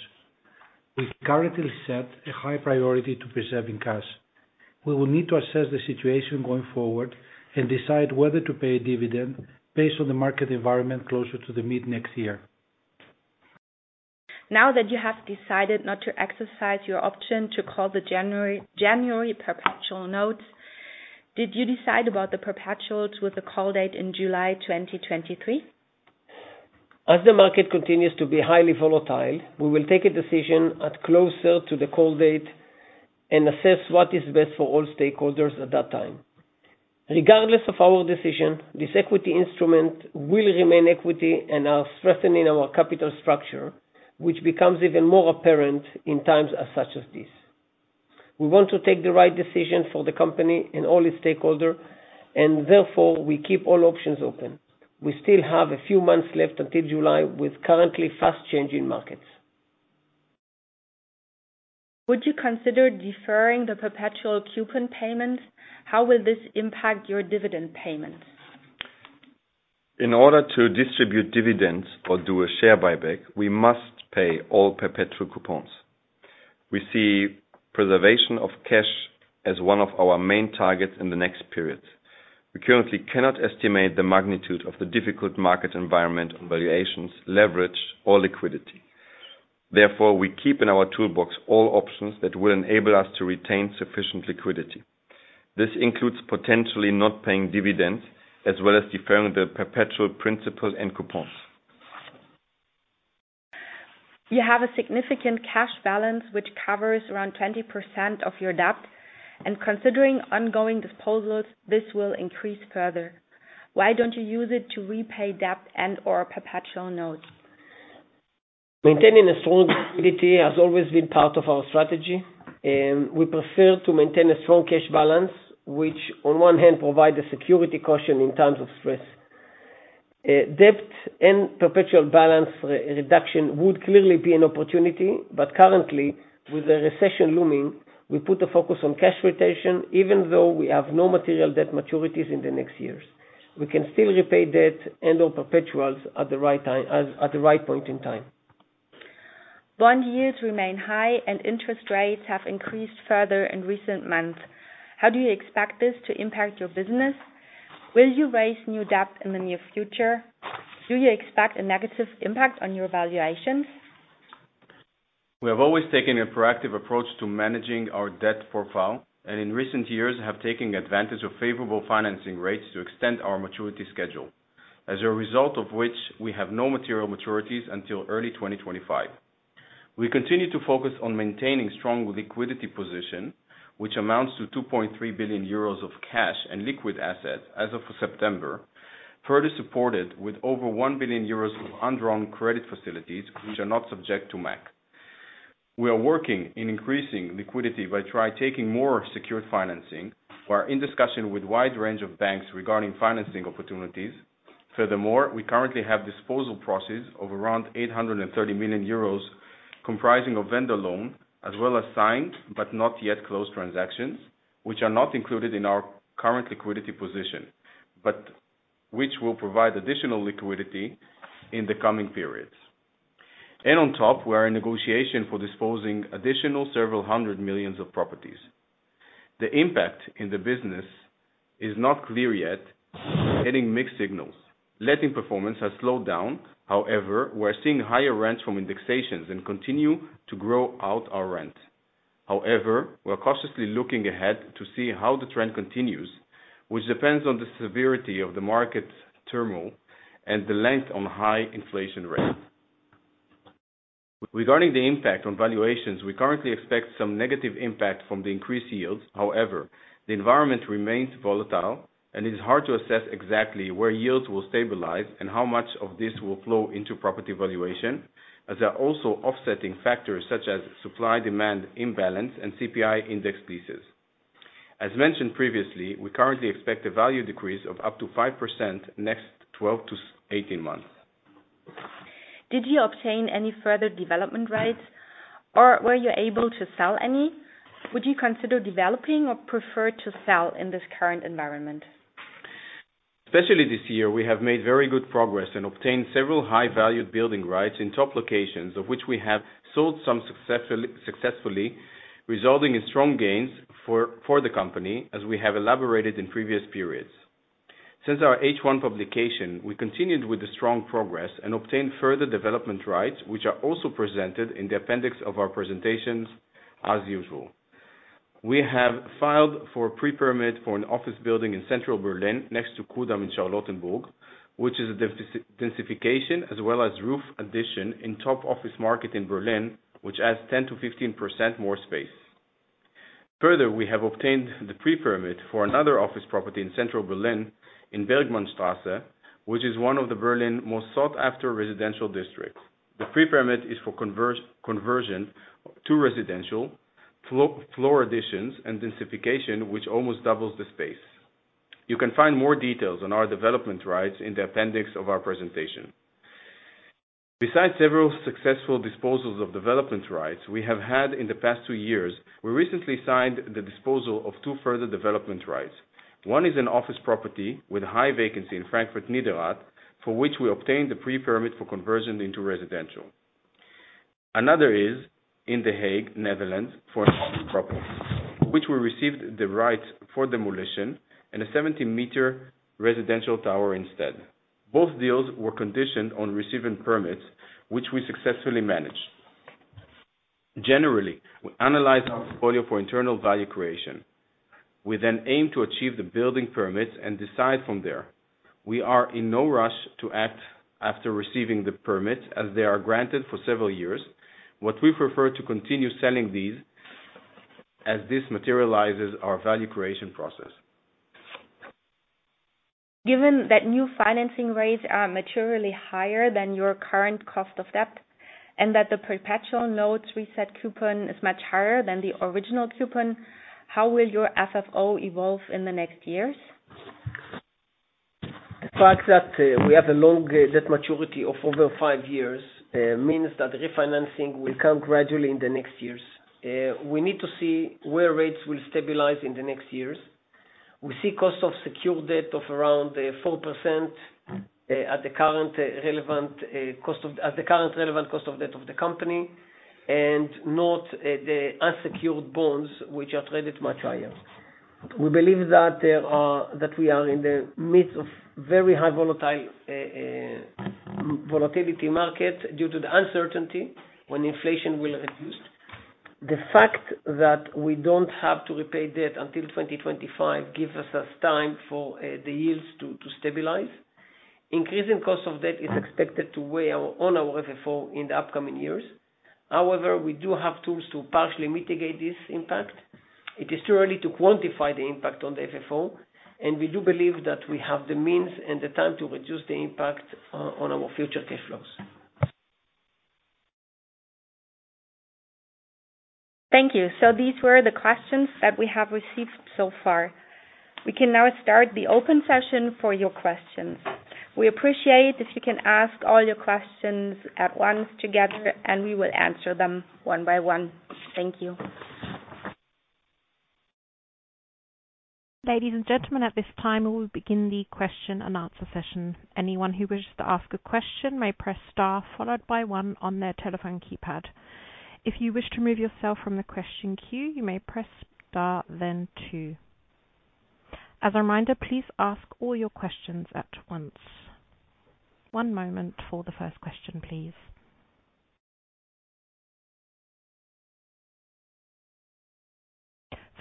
We currently set a high priority to preserving cash. We will need to assess the situation going forward and decide whether to pay a dividend based on the market environment closer to the mid-next year. Now that you have decided not to exercise your option to call the January perpetual notes, did you decide about the perpetuals with the call date in July 2023? As the market continues to be highly volatile, we will take a decision at closer to the call date and assess what is best for all stakeholders at that time. Regardless of our decision, this equity instrument will remain equity and are strengthening our capital structure, which becomes even more apparent in times as such as this. We want to take the right decision for the company and all its stakeholder, and therefore, we keep all options open. We still have a few months left until July with currently fast-changing markets. Would you consider deferring the perpetual coupon payments? How will this impact your dividend payments? In order to distribute dividends or do a share buyback, we must pay all perpetual coupons. We see preservation of cash as one of our main targets in the next period. We currently cannot estimate the magnitude of the difficult market environment on valuations, leverage or liquidity. Therefore, we keep in our toolbox all options that will enable us to retain sufficient liquidity. This includes potentially not paying dividends, as well as deferring the perpetual principal and coupons. You have a significant cash balance, which covers around 20% of your debt, and considering ongoing disposals, this will increase further. Why don't you use it to repay debt and or perpetual notes? Maintaining a strong liquidity has always been part of our strategy. We prefer to maintain a strong cash balance, which, on one hand, provide a security cushion in times of stress. Debt and perpetual balance reduction would clearly be an opportunity, but currently, with the recession looming, we put the focus on cash retention, even though we have no material debt maturities in the next years. We can still repay debt and or perpetuals at the right point in time. Bond yields remain high. Interest rates have increased further in recent months. How do you expect this to impact your business? Will you raise new debt in the near future? Do you expect a negative impact on your valuations? We have always taken a proactive approach to managing our debt profile. In recent years, have taken advantage of favorable financing rates to extend our maturity schedule. As a result of which, we have no material maturities until early 2025. We continue to focus on maintaining strong liquidity position, which amounts to 2.3 billion euros of cash and liquid assets as of September, further supported with over 1 billion euros of undrawn credit facilities, which are not subject to MAC. We are working in increasing liquidity by try taking more secured financing. We are in discussion with wide range of banks regarding financing opportunities. Furthermore, we currently have disposal proceeds of around 830 million euros, comprising of vendor loan, as well as signed, but not yet closed transactions, which are not included in our current liquidity position, but which will provide additional liquidity in the coming periods. On top, we are in negotiation for disposing additional several hundred millions of properties. The impact in the business is not clear yet. Getting mixed signals. Letting performance has slowed down. However, we're seeing higher rents from indexations and continue to grow out our rent. However, we're cautiously looking ahead to see how the trend continues, which depends on the severity of the market turmoil, and the length on high inflation rate. Regarding the impact on valuations, we currently expect some negative impact from the increased yields. However, the environment remains volatile, and it is hard to assess exactly where yields will stabilize and how much of this will flow into property valuation, as there are also offsetting factors such as supply-demand imbalance and CPI index pieces. As mentioned previously, we currently expect a value decrease of up to 5% next 12-18 months. Did you obtain any further development rights, or were you able to sell any? Would you consider developing or prefer to sell in this current environment? Especially this year, we have made very good progress and obtained several high-valued building rights in top locations, of which we have sold some successfully, resulting in strong gains for the company, as we have elaborated in previous periods. Since our H1 publication, we continued with the strong progress and obtained further development rights, which are also presented in the appendix of our presentations, as usual. We have filed for a pre-permit for an office building in central Berlin, next to Ku'damm in Charlottenburg, which is a densification as well as roof addition in top office market in Berlin, which adds 10%-15% more space. Further, we have obtained the pre-permit for another office property in central Berlin, in Bergmannstrasse, which is one of the Berlin most sought-after residential districts. The pre-permit is for conversion to residential, floor additions and densification, which almost doubles the space. You can find more details on our development rights in the appendix of our presentation. Besides several successful disposals of development rights we have had in the past two years, we recently signed the disposal of two further development rights. One is an office property with high vacancy in Frankfurt Niederrad, for which we obtained the pre-permit for conversion into residential. Another is in The Hague, Netherlands, for an office property, which we received the rights for demolition and a 70-meter residential tower instead. Both deals were conditioned on receiving permits, which we successfully managed. Generally, we analyze our portfolio for internal value creation. We then aim to achieve the building permits and decide from there. We are in no rush to act after receiving the permits, as they are granted for several years. What we prefer to continue selling these, as this materializes our value creation process. Given that new financing rates are materially higher than your current cost of debt, and that the perpetual notes reset coupon is much higher than the original coupon, how will your FFO evolve in the next years? The fact that we have a long debt maturity of over five years, means that refinancing will come gradually in the next years. We need to see where rates will stabilize in the next years. We see cost of secure debt of around 4% at the current relevant cost of debt of the company, and not the unsecured bonds, which are traded much higher. We believe that we are in the midst of very high volatility market due to the uncertainty when inflation will reduce. The fact that we do not have to repay debt until 2025 gives us time for the yields to stabilize. Increasing cost of debt is expected to weigh on our FFO in the upcoming years. However, we do have tools to partially mitigate this impact. It is too early to quantify the impact on the FFO. We do believe that we have the means and the time to reduce the impact on our future cash flows. Thank you. These were the questions that we have received so far. We can now start the open session for your questions. We appreciate if you can ask all your questions at once together, and we will answer them one by one. Thank you. Ladies and gentlemen, at this time, we will begin the question and answer session. Anyone who wishes to ask a question may press star followed by one on their telephone keypad. If you wish to remove yourself from the question queue, you may press star, then two. As a reminder, please ask all your questions at once. One moment for the first question, please.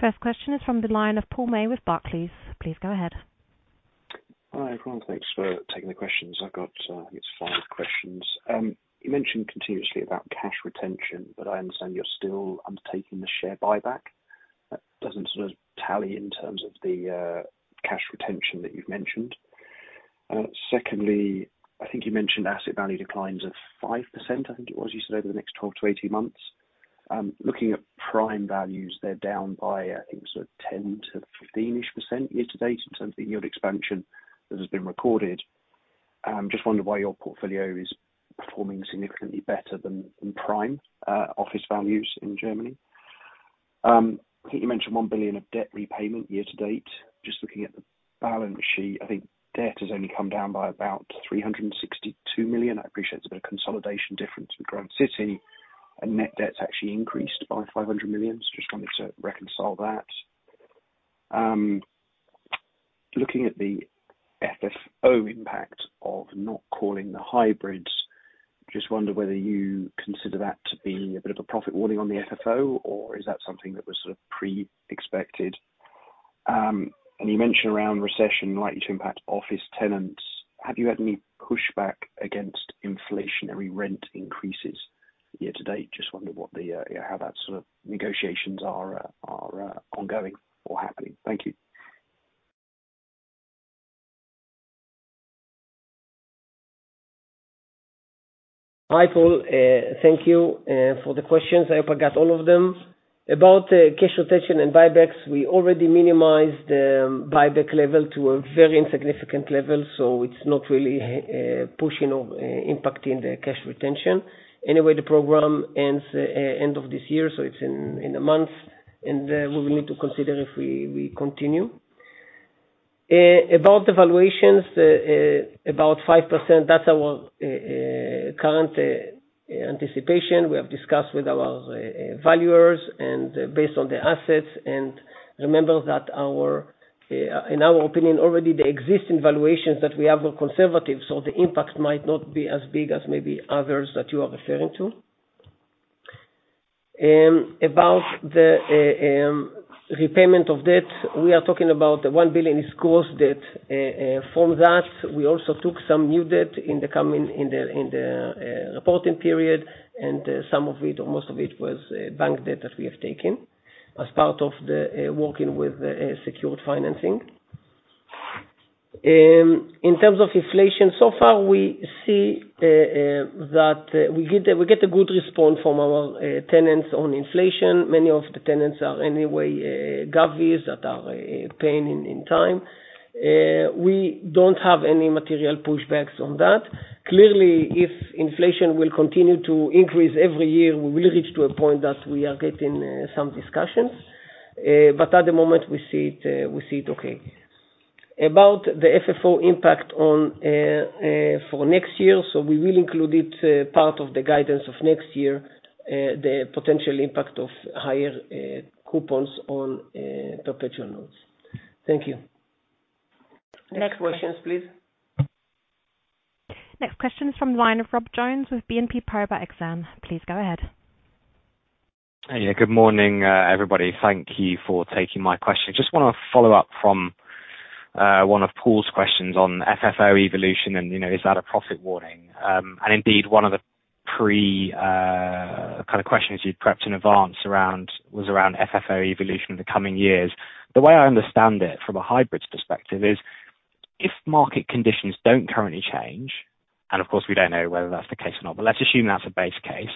First question is from the line of Paul May with Barclays. Please go ahead. Hi, everyone. Thanks for taking the questions. I've got, I think it's five questions. You mentioned continuously about cash retention. I understand you're still undertaking the share buyback. That doesn't sort of tally in terms of the cash retention that you've mentioned. I think you mentioned asset value declines of 5%, I think it was, you said over the next 12-18 months. Looking at prime values, they're down by, I think sort of 10%-15% year-to-date in terms of the yield expansion that has been recorded. Just wondering why your portfolio is performing significantly better than prime office values in Germany. I think you mentioned 1 billion of debt repayment year-to-date. Looking at the balance sheet, I think debt has only come down by about 362 million. I appreciate it's a bit of consolidation difference with Grand City. Net debt's actually increased by 500 million. Just wanted to reconcile that. Looking at the FFO impact of not calling the hybrids, just wonder whether you consider that to be a bit of a profit warning on the FFO, or is that something that was sort of pre-expected? You mentioned Aroundtown recession likely to impact office tenants. Have you had any pushback against inflationary rent increases year-to-date? Just wonder how that sort of negotiations are ongoing or happening. Thank you. Hi, Paul. Thank you for the questions. I hope I got all of them. About cash retention and buybacks, we already minimized buyback level to a very insignificant level. It's not really pushing or impacting the cash retention. Anyway, the program ends end of this year. It's in a month. We will need to consider if we continue. About the valuations, about 5%, that's our current anticipation. We have discussed with our valuers, based on the assets, and remember that in our opinion, already the existing valuations that we have are conservative. The impact might not be as big as maybe others that you are referring to. About the repayment of debt, we are talking about 1 billion is gross debt. We also took some new debt in the reporting period, and some of it, or most of it, was bank debt that we have taken as part of working with secured financing. In terms of inflation, so far, we see that we get a good response from our tenants on inflation. Many of the tenants are anyway govies that are paying in time. We don't have any material pushbacks on that. Clearly, if inflation will continue to increase every year, we will reach to a point that we are getting some discussions. At the moment, we see it okay. About the FFO impact for next year, we will include it part of the guidance of next year, the potential impact of higher coupons on perpetual notes. Thank you. Next question. Next questions, please. Next question is from the line of Rob Jones with BNP Paribas Exane. Please go ahead. Yeah. Good morning, everybody. Thank you for taking my question. Just want to follow up from one of Paul's questions on FFO evolution. Is that a profit warning? Indeed, one of the pre-questions you'd prepped in advance was around FFO evolution in the coming years. The way I understand it from a hybrids perspective is, if market conditions don't currently change, and of course, we don't know whether that's the case or not, but let's assume that's a base case.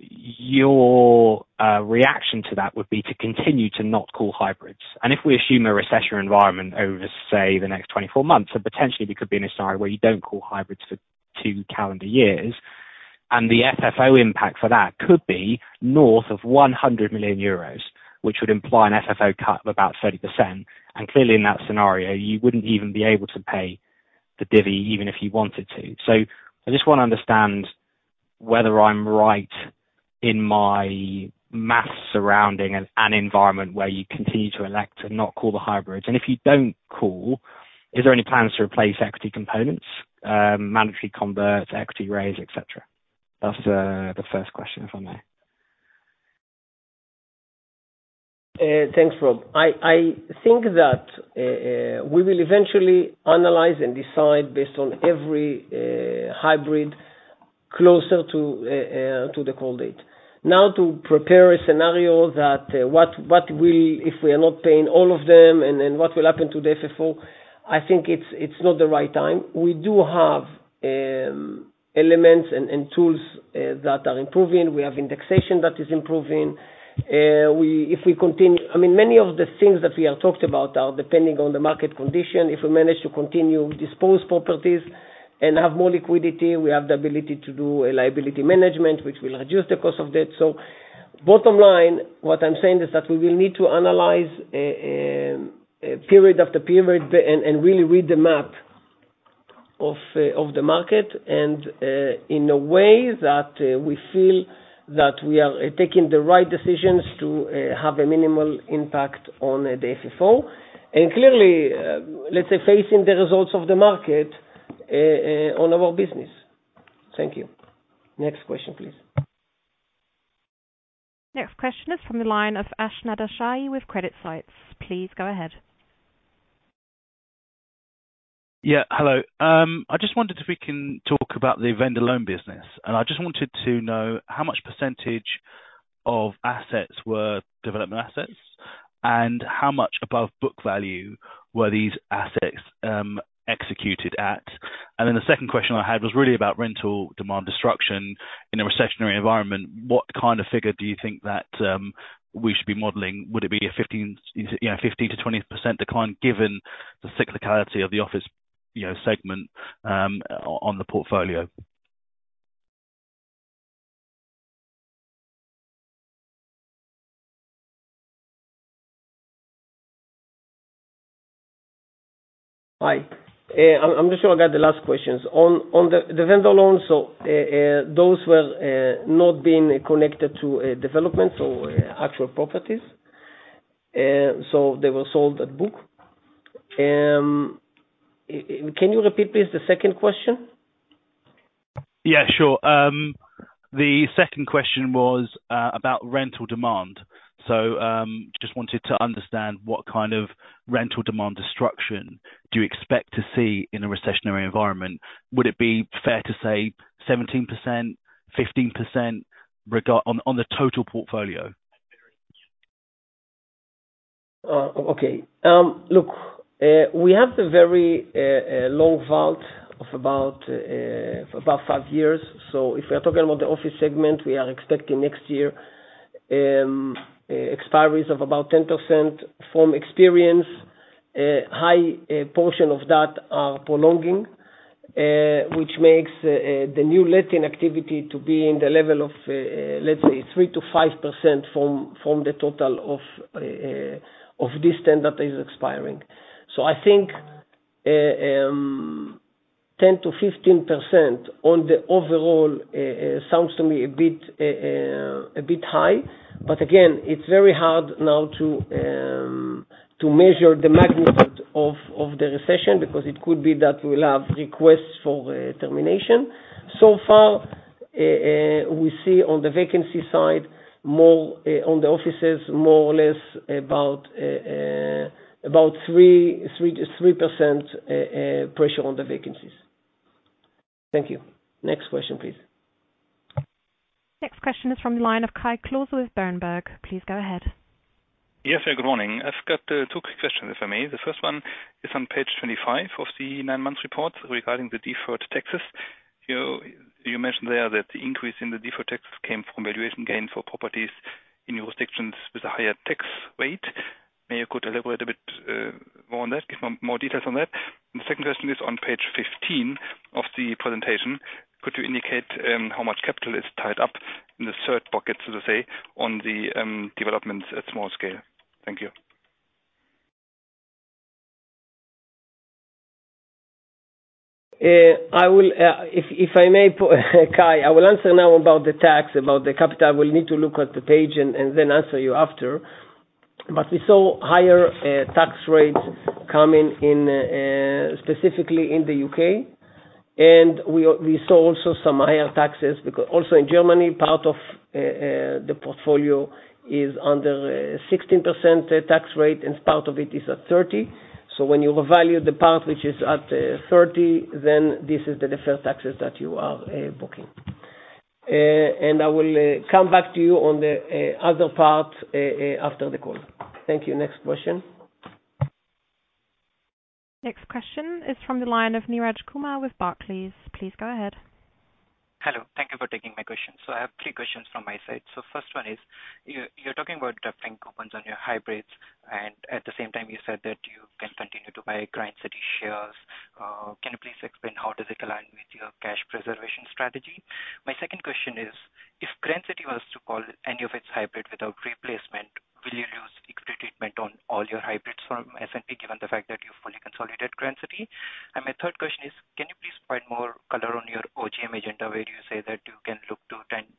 Your reaction to that would be to continue to not call hybrids. If we assume a recession environment over, say, the next 24 months, so potentially we could be in a scenario where you don't call hybrids for two calendar years. The FFO impact for that could be north of 100 million euros, which would imply an FFO cut of about 30%. Clearly in that scenario, you wouldn't even be able to pay the divvy even if you wanted to. I just want to understand whether I'm right in my math surrounding an environment where you continue to elect to not call the hybrids. If you don't call, is there any plans to replace equity components, mandatory converts, equity raise, et cetera? That's the first question, if I may. Thanks, Rob. I think that we will eventually analyze and decide based on every hybrid closer to the call date. To prepare a scenario that, what if we are not paying all of them and then what will happen to the FFO, I think it's not the right time. We do have elements and tools that are improving. We have indexation that is improving. Many of the things that we have talked about are depending on the market condition. If we manage to continue dispose properties and have more liquidity, we have the ability to do a liability management, which will reduce the cost of debt. Bottom line, what I'm saying is that we will need to analyze period after period and really read the map of the market and in a way that we feel that we are taking the right decisions to have a minimal impact on the FFO. Clearly, let's say facing the results of the market, on our business. Thank you. Next question, please. Next question is from the line of Ash Nadershahi with CreditSights. Please go ahead. Hello. I just wondered if we can talk about the vendor loan business. I just wanted to know how much percentage of assets were development assets, and how much above book value were these assets executed at. The second question I had was really about rental demand destruction in a recessionary environment. What kind of figure do you think that we should be modeling? Would it be a 15%-20% decline given the cyclicality of the office segment on the portfolio? Hi. I'm just sure I got the last questions. On the vendor loans, those were not being connected to a development or actual properties. They were sold at book. Can you repeat, please, the second question? Sure. The second question was about rental demand. Just wanted to understand what kind of rental demand destruction do you expect to see in a recessionary environment. Would it be fair to say 17%, 15% on the total portfolio? Okay. Look, we have the very low WALT of about five years. If we are talking about the office segment, we are expecting next year expiries of about 10%. From experience, high portion of that are prolonging which makes the new letting activity to be in the level of, let's say, 3%-5% from the total of this tenant that is expiring. I think 10%-15% on the overall sounds to me a bit high. Again, it's very hard now to measure the magnitude of the recession, because it could be that we'll have requests for termination. So far, we see on the vacancy side, on the offices, more or less about 3% pressure on the vacancies. Thank you. Next question, please. Next question is from the line of Kai Klose with Berenberg. Please go ahead. Yes. Good morning. I've got two quick questions, if I may. The first one is on page 25 of the nine-month report regarding the deferred taxes. You mentioned there that the increase in the deferred taxes came from valuation gain for properties in jurisdictions with a higher tax rate. May you could elaborate a bit more on that, give more details on that. The second question is on page 15 of the presentation. Could you indicate how much capital is tied up in the third bucket, so to say, on the developments at small scale? Thank you. If I may, Kai, I will answer now about the tax. About the capital, we'll need to look at the page and then answer you after. We saw higher tax rates coming specifically in the U.K., and we saw also some higher taxes because also in Germany, part of the portfolio is under a 16% tax rate, and part of it is at 30%. When you revalue the part which is at 30%, then this is the deferred taxes that you are booking. I will come back to you on the other part after the call. Thank you. Next question. Next question is from the line of Neeraj Kumar with Barclays. Please go ahead. Hello. Thank you for taking my question. I have three questions from my side. First one is, you are talking about drafting coupons on your hybrids, and at the same time you said that you can continue to buy Grand City shares. Can you please explain how does it align with your cash preservation strategy? My second question is, if Grand City was to call any of its hybrid without replacement, will you lose equity treatment on all your hybrids from S&P, given the fact that you fully consolidated Grand City? My third question is, can you please provide more color on your OGM agenda, where you say that you can look to lend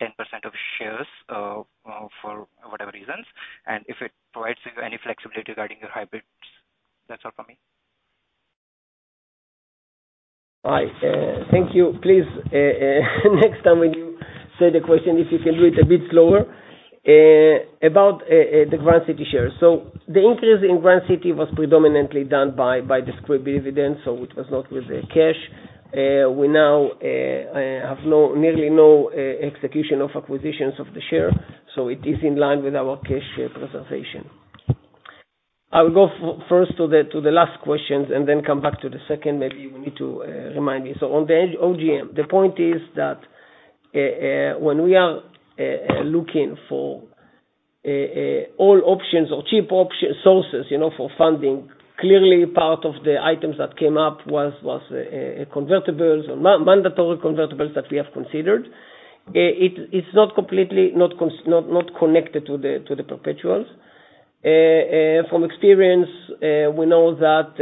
10% of shares for whatever reasons, and if it provides you any flexibility regarding your hybrids? That's all from me. Hi. Thank you. Please, next time when you say the question, if you can do it a bit slower. About the Grand City shares. The increase in Grand City was predominantly done by the scrip dividend, it was not with the cash. We now have nearly no execution of acquisitions of the share, it is in line with our cash share preservation. I will go first to the last questions and then come back to the second. Maybe you need to remind me. On the OGM, the point is that when we are looking for all options or cheap sources for funding, clearly part of the items that came up was convertibles or mandatory convertibles that we have considered. It is not completely not connected to the perpetuals. From experience, we know that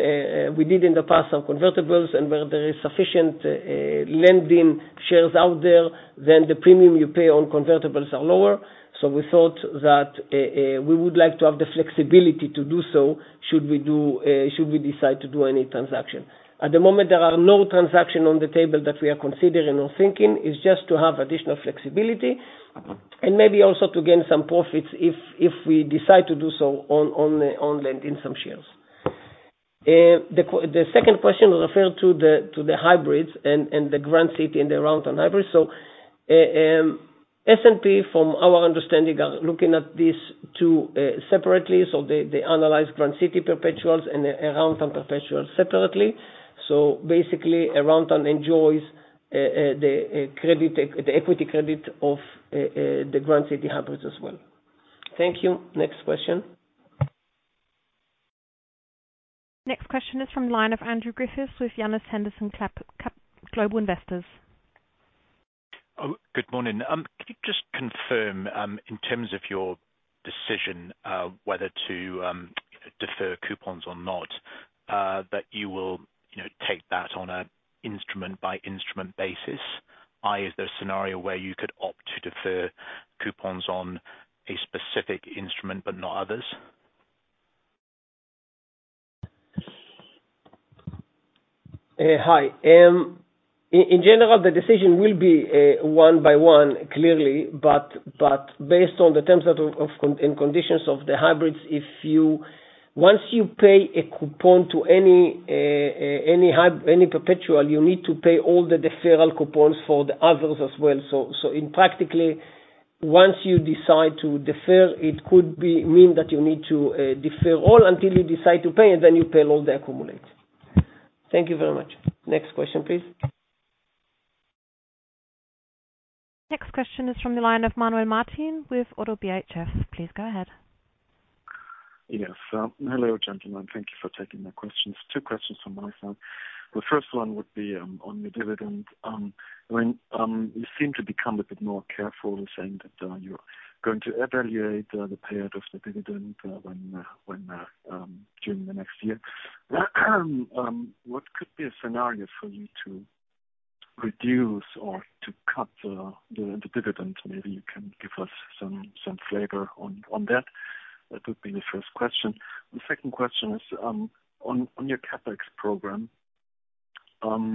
we did in the past some convertibles, and where there is sufficient lending shares out there, the premium you pay on convertibles are lower. We thought that we would like to have the flexibility to do so should we decide to do any transaction. At the moment, there are no transaction on the table that we are considering or thinking. It is just to have additional flexibility and maybe also to gain some profits if we decide to do so on lending some shares. The second question referred to the hybrids and the Grand City and the Aroundtown hybrids. S&P, from our understanding, are looking at these two separately. They analyze Grand City perpetuals and Aroundtown perpetuals separately. Basically, Aroundtown enjoys the equity credit of the Grand City hybrids as well. Thank you. Next question. Next question is from the line of Andrew Griffiths with Janus Henderson Global Investors. Good morning. Can you just confirm, in terms of your decision whether to defer coupons or not, that you will take that on an instrument-by-instrument basis, i.e., is there a scenario where you could opt to defer coupons on a specific instrument but not others? Hi. In general, the decision will be one-by-one, clearly. Based on the terms and conditions of the hybrids, once you pay a coupon to any perpetual, you need to pay all the deferral coupons for the others as well. Practically, once you decide to defer, it could mean that you need to defer all until you decide to pay, and then you pay all the accumulated. Thank you very much. Next question, please. Next question is from the line of Manuel Martin with Oddo BHF. Please go ahead. Yes. Hello, gentlemen. Thank you for taking my questions. Two questions from my side. The first one would be on the dividend. You seem to become a bit more careful in saying that you're going to evaluate the payout of the dividend during the next year. What could be a scenario for you to reduce or to cut the dividend? Maybe you can give us some flavor on that. That would be the first question. The second question is on your CapEx program. Do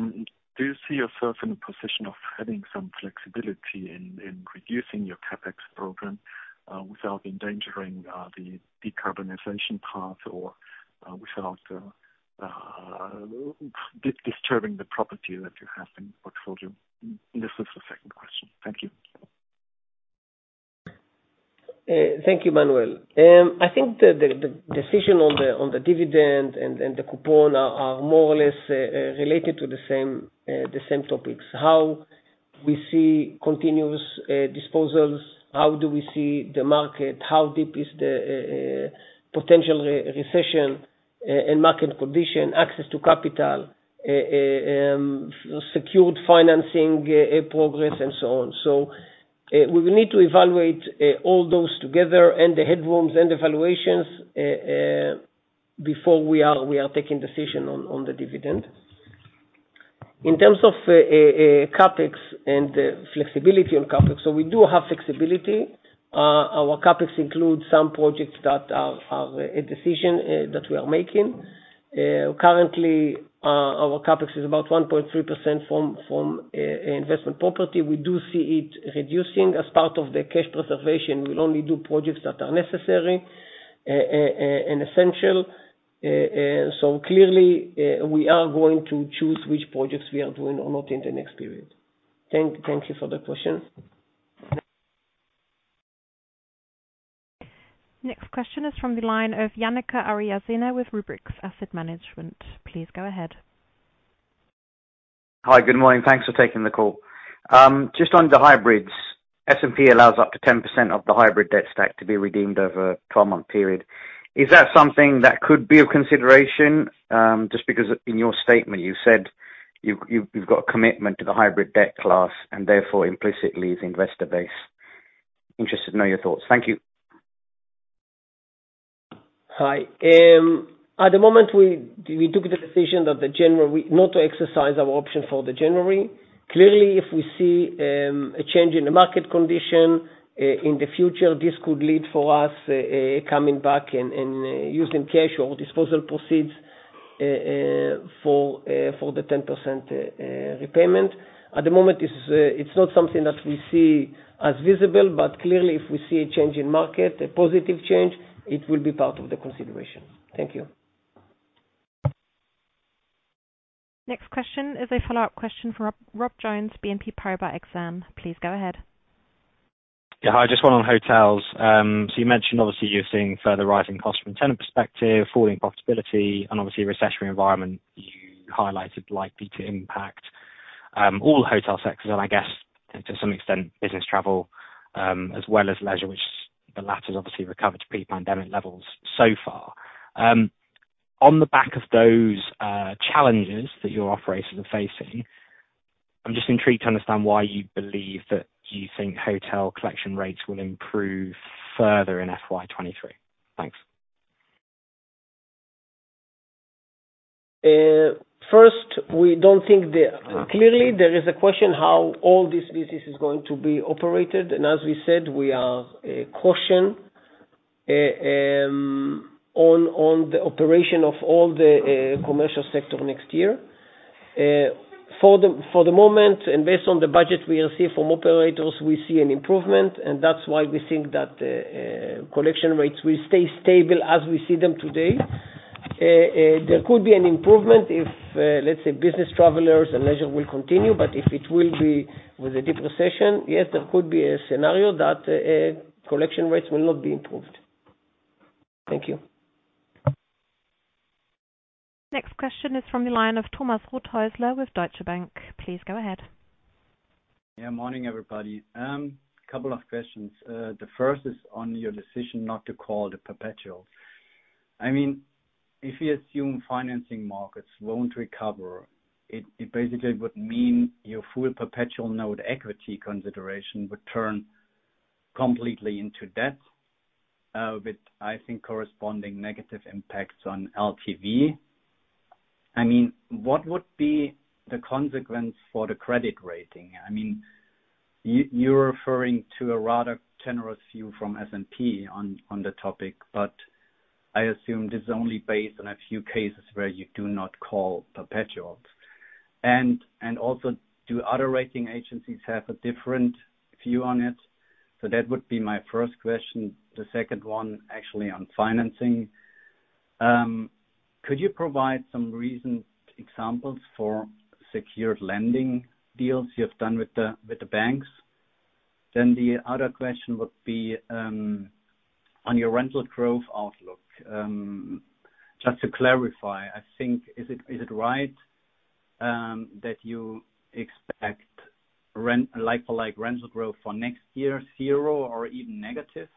you see yourself in a position of having some flexibility in reducing your CapEx program, without endangering the decarbonization path or without disturbing the property that you have in portfolio? This is the second question. Thank you. Thank you, Manuel. I think the decision on the dividend and the coupon are more or less related to the same topics. How we see continuous disposals, how do we see the market, how deep is the potential recession and market condition, access to capital, secured financing progress and so on. We will need to evaluate all those together and the headrooms and the valuations, before we are taking decision on the dividend. In terms of CapEx and the flexibility on CapEx. We do have flexibility. Our CapEx includes some projects that are a decision that we are making. Currently, our CapEx is about 1.3% from investment property. We do see it reducing. As part of the cash preservation, we'll only do projects that are necessary and essential. Clearly, we are going to choose which projects we are doing or not in the next period. Thank you for the questions. Next question is from the line of Janaka Ariyasena with Rubrics Asset Management. Please go ahead. Hi. Good morning. Thanks for taking the call. Just on the hybrids. S&P allows up to 10% of the hybrid debt stack to be redeemed over a 12-month period. Is that something that could be of consideration? Just because in your statement, you said you've got a commitment to the hybrid debt class, and therefore implicitly the investor base. Interested to know your thoughts. Thank you. Hi. At the moment, we took the decision not to exercise our option for the January. Clearly, if we see a change in the market condition in the future, this could lead for us coming back and using cash or disposal proceeds for the 10% repayment. At the moment, it's not something that we see as visible, but clearly, if we see a change in market, a positive change, it will be part of the consideration. Thank you. Next question is a follow-up question from Rob Jones, BNP Paribas Exane. Please go ahead. Hi, just one on hotels. You mentioned obviously you're seeing further rising cost from a tenant perspective, falling profitability, and obviously a recessionary environment you highlighted likely to impact all hotel sectors and I guess to some extent, business travel, as well as leisure, which the latter's obviously recovered to pre-pandemic levels so far. On the back of those challenges that your operators are facing, I'm just intrigued to understand why you believe that you think hotel collection rates will improve further in FY 2023. Thanks. First, Clearly, there is a question how all this business is going to be operated, and as we said, we are caution on the operation of all the commercial sector next year. For the moment, and based on the budget we will see from operators, we see an improvement, and that's why we think that collection rates will stay stable as we see them today. There could be an improvement if, let's say, business travelers and leisure will continue, but if it will be with a deep recession, yes, there could be a scenario that collection rates will not be improved. Thank you. Next question is from the line of Thomas Rothäusler with Deutsche Bank. Please go ahead. Yeah. Morning, everybody. Couple of questions. The first is on your decision not to call the perpetual. If you assume financing markets won't recover, it basically would mean your full perpetual note equity consideration would turn completely into debt, with, I think, corresponding negative impacts on LTV. What would be the consequence for the credit rating? You are referring to a rather generous view from S&P on the topic, but I assume this is only based on a few cases where you do not call perpetual. Do other rating agencies have a different view on it? That would be my first question. The second one, actually, on financing. Could you provide some recent examples for secured lending deals you have done with the banks? The other question would be on your rental growth outlook, just to clarify, I think, is it right that you expect like-for-like rental growth for next year, zero or even negative?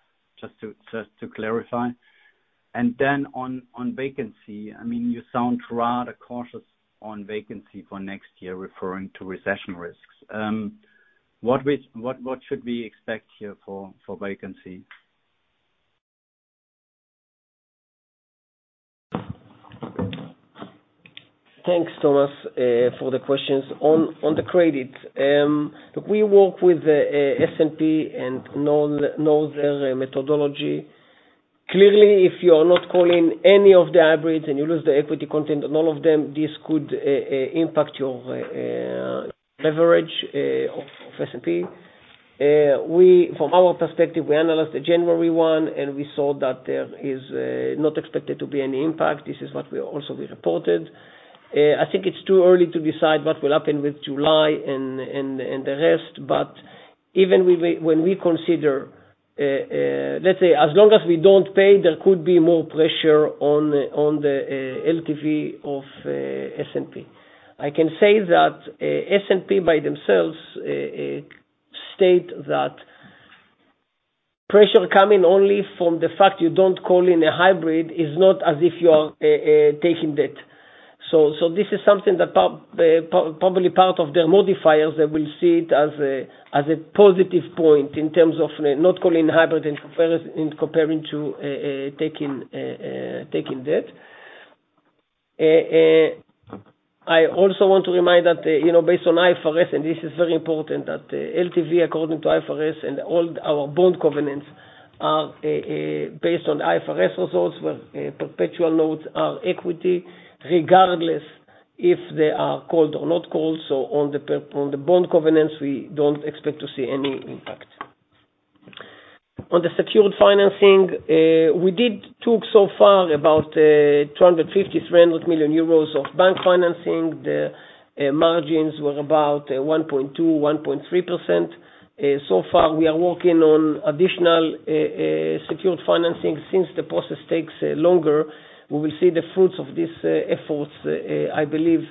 Just to clarify. On vacancy, you sound rather cautious on vacancy for next year, referring to recession risks. What should we expect here for vacancy? Thanks, Thomas, for the questions. On the credit, we work with S&P and know their methodology. Clearly, if you are not calling any of the hybrids and you lose the equity content on all of them, this could impact your leverage of S&P. From our perspective, we analyzed the January one, and we saw that there is not expected to be any impact. This is what we also reported. I think it is too early to decide what will happen with July and the rest, but even when we consider, let's say as long as we don't pay, there could be more pressure on the LTV of S&P. I can say that S&P by themselves state that pressure coming only from the fact you don't call in a hybrid is not as if you are taking debt. This is something that probably part of their modifiers will see it as a positive point in terms of not calling hybrid and comparing to taking debt. I also want to remind that, based on IFRS, and this is very important, that LTV according to IFRS and all our bond covenants are based on IFRS results, where perpetual notes are equity regardless if they are called or not called. On the bond covenants, we don't expect to see any impact. On the secured financing, we did took so far about 250 million-300 million euros of bank financing. The margins were about 1.2%-1.3%. Far, we are working on additional secured financing. Since the process takes longer, we will see the fruits of these efforts, I believe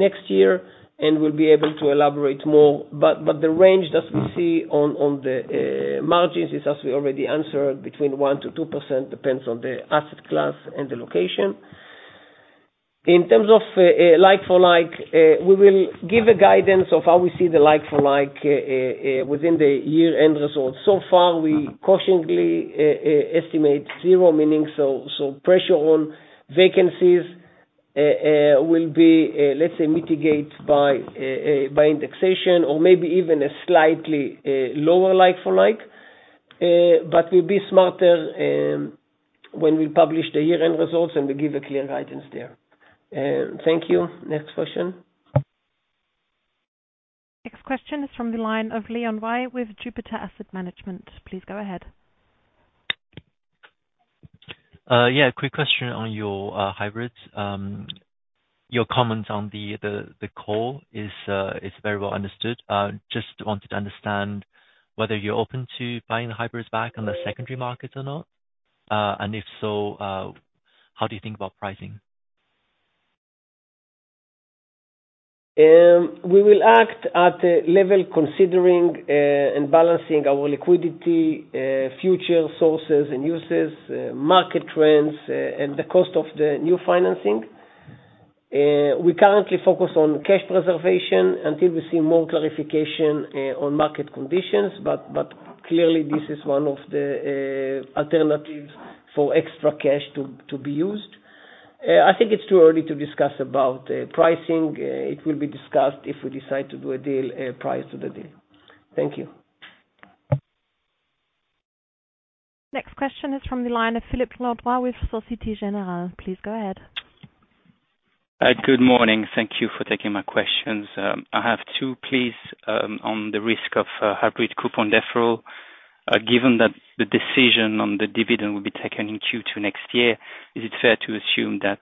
next year, and we'll be able to elaborate more. The range that we see on the margins is, as we already answered, between 1%-2%, depends on the asset class and the location. In terms of like for like, we will give a guidance of how we see the like for like within the year-end results. So far, we cautiously estimate zero, meaning so pressure on vacancies will be, let's say, mitigate by indexation or maybe even a slightly lower like for like. We'll be smarter when we publish the year-end results, and we give a clear guidance there. Thank you. Next question. Next question is from the line of Leon Wei with Jupiter Asset Management. Please go ahead. Yeah. A quick question on your hybrids. Your comments on the call is very well understood. Just wanted to understand whether you're open to buying the hybrids back on the secondary market or not. If so, how do you think about pricing? We will act at a level considering and balancing our liquidity, future sources and uses, market trends, and the cost of the new financing. We currently focus on cash preservation until we see more clarification on market conditions. Clearly, this is one of the alternatives for extra cash to be used. I think it's too early to discuss about pricing. It will be discussed if we decide to do a deal, price to the deal. Thank you. Next question is from the line of Philippe Slotboom with Société Générale. Please go ahead. Good morning. Thank you for taking my questions. I have two, please, on the risk of hybrid coupon deferral. Given that the decision on the dividend will be taken in Q2 next year, is it fair to assume that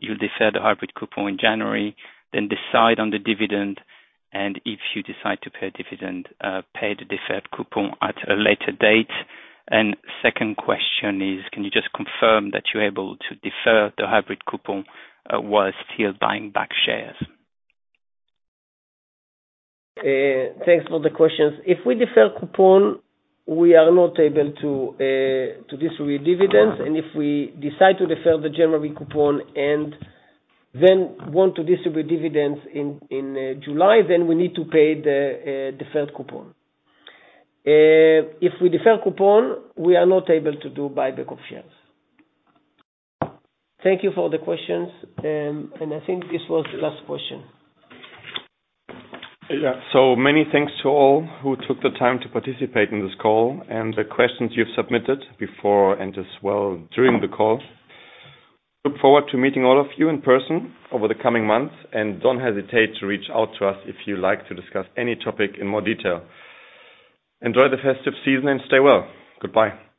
you'll defer the hybrid coupon in January, then decide on the dividend, and if you decide to pay a dividend, pay the deferred coupon at a later date? Second question is, can you just confirm that you're able to defer the hybrid coupon while still buying back shares? Thanks for the questions. If we defer coupon, we are not able to distribute dividends. If we decide to defer the January coupon and then want to distribute dividends in July, then we need to pay the deferred coupon. If we defer coupon, we are not able to do buyback of shares. Thank you for the questions. I think this was the last question. Yeah. Many thanks to all who took the time to participate in this call and the questions you've submitted before and as well during the call. Look forward to meeting all of you in person over the coming months, and don't hesitate to reach out to us if you'd like to discuss any topic in more detail. Enjoy the festive season and stay well. Goodbye.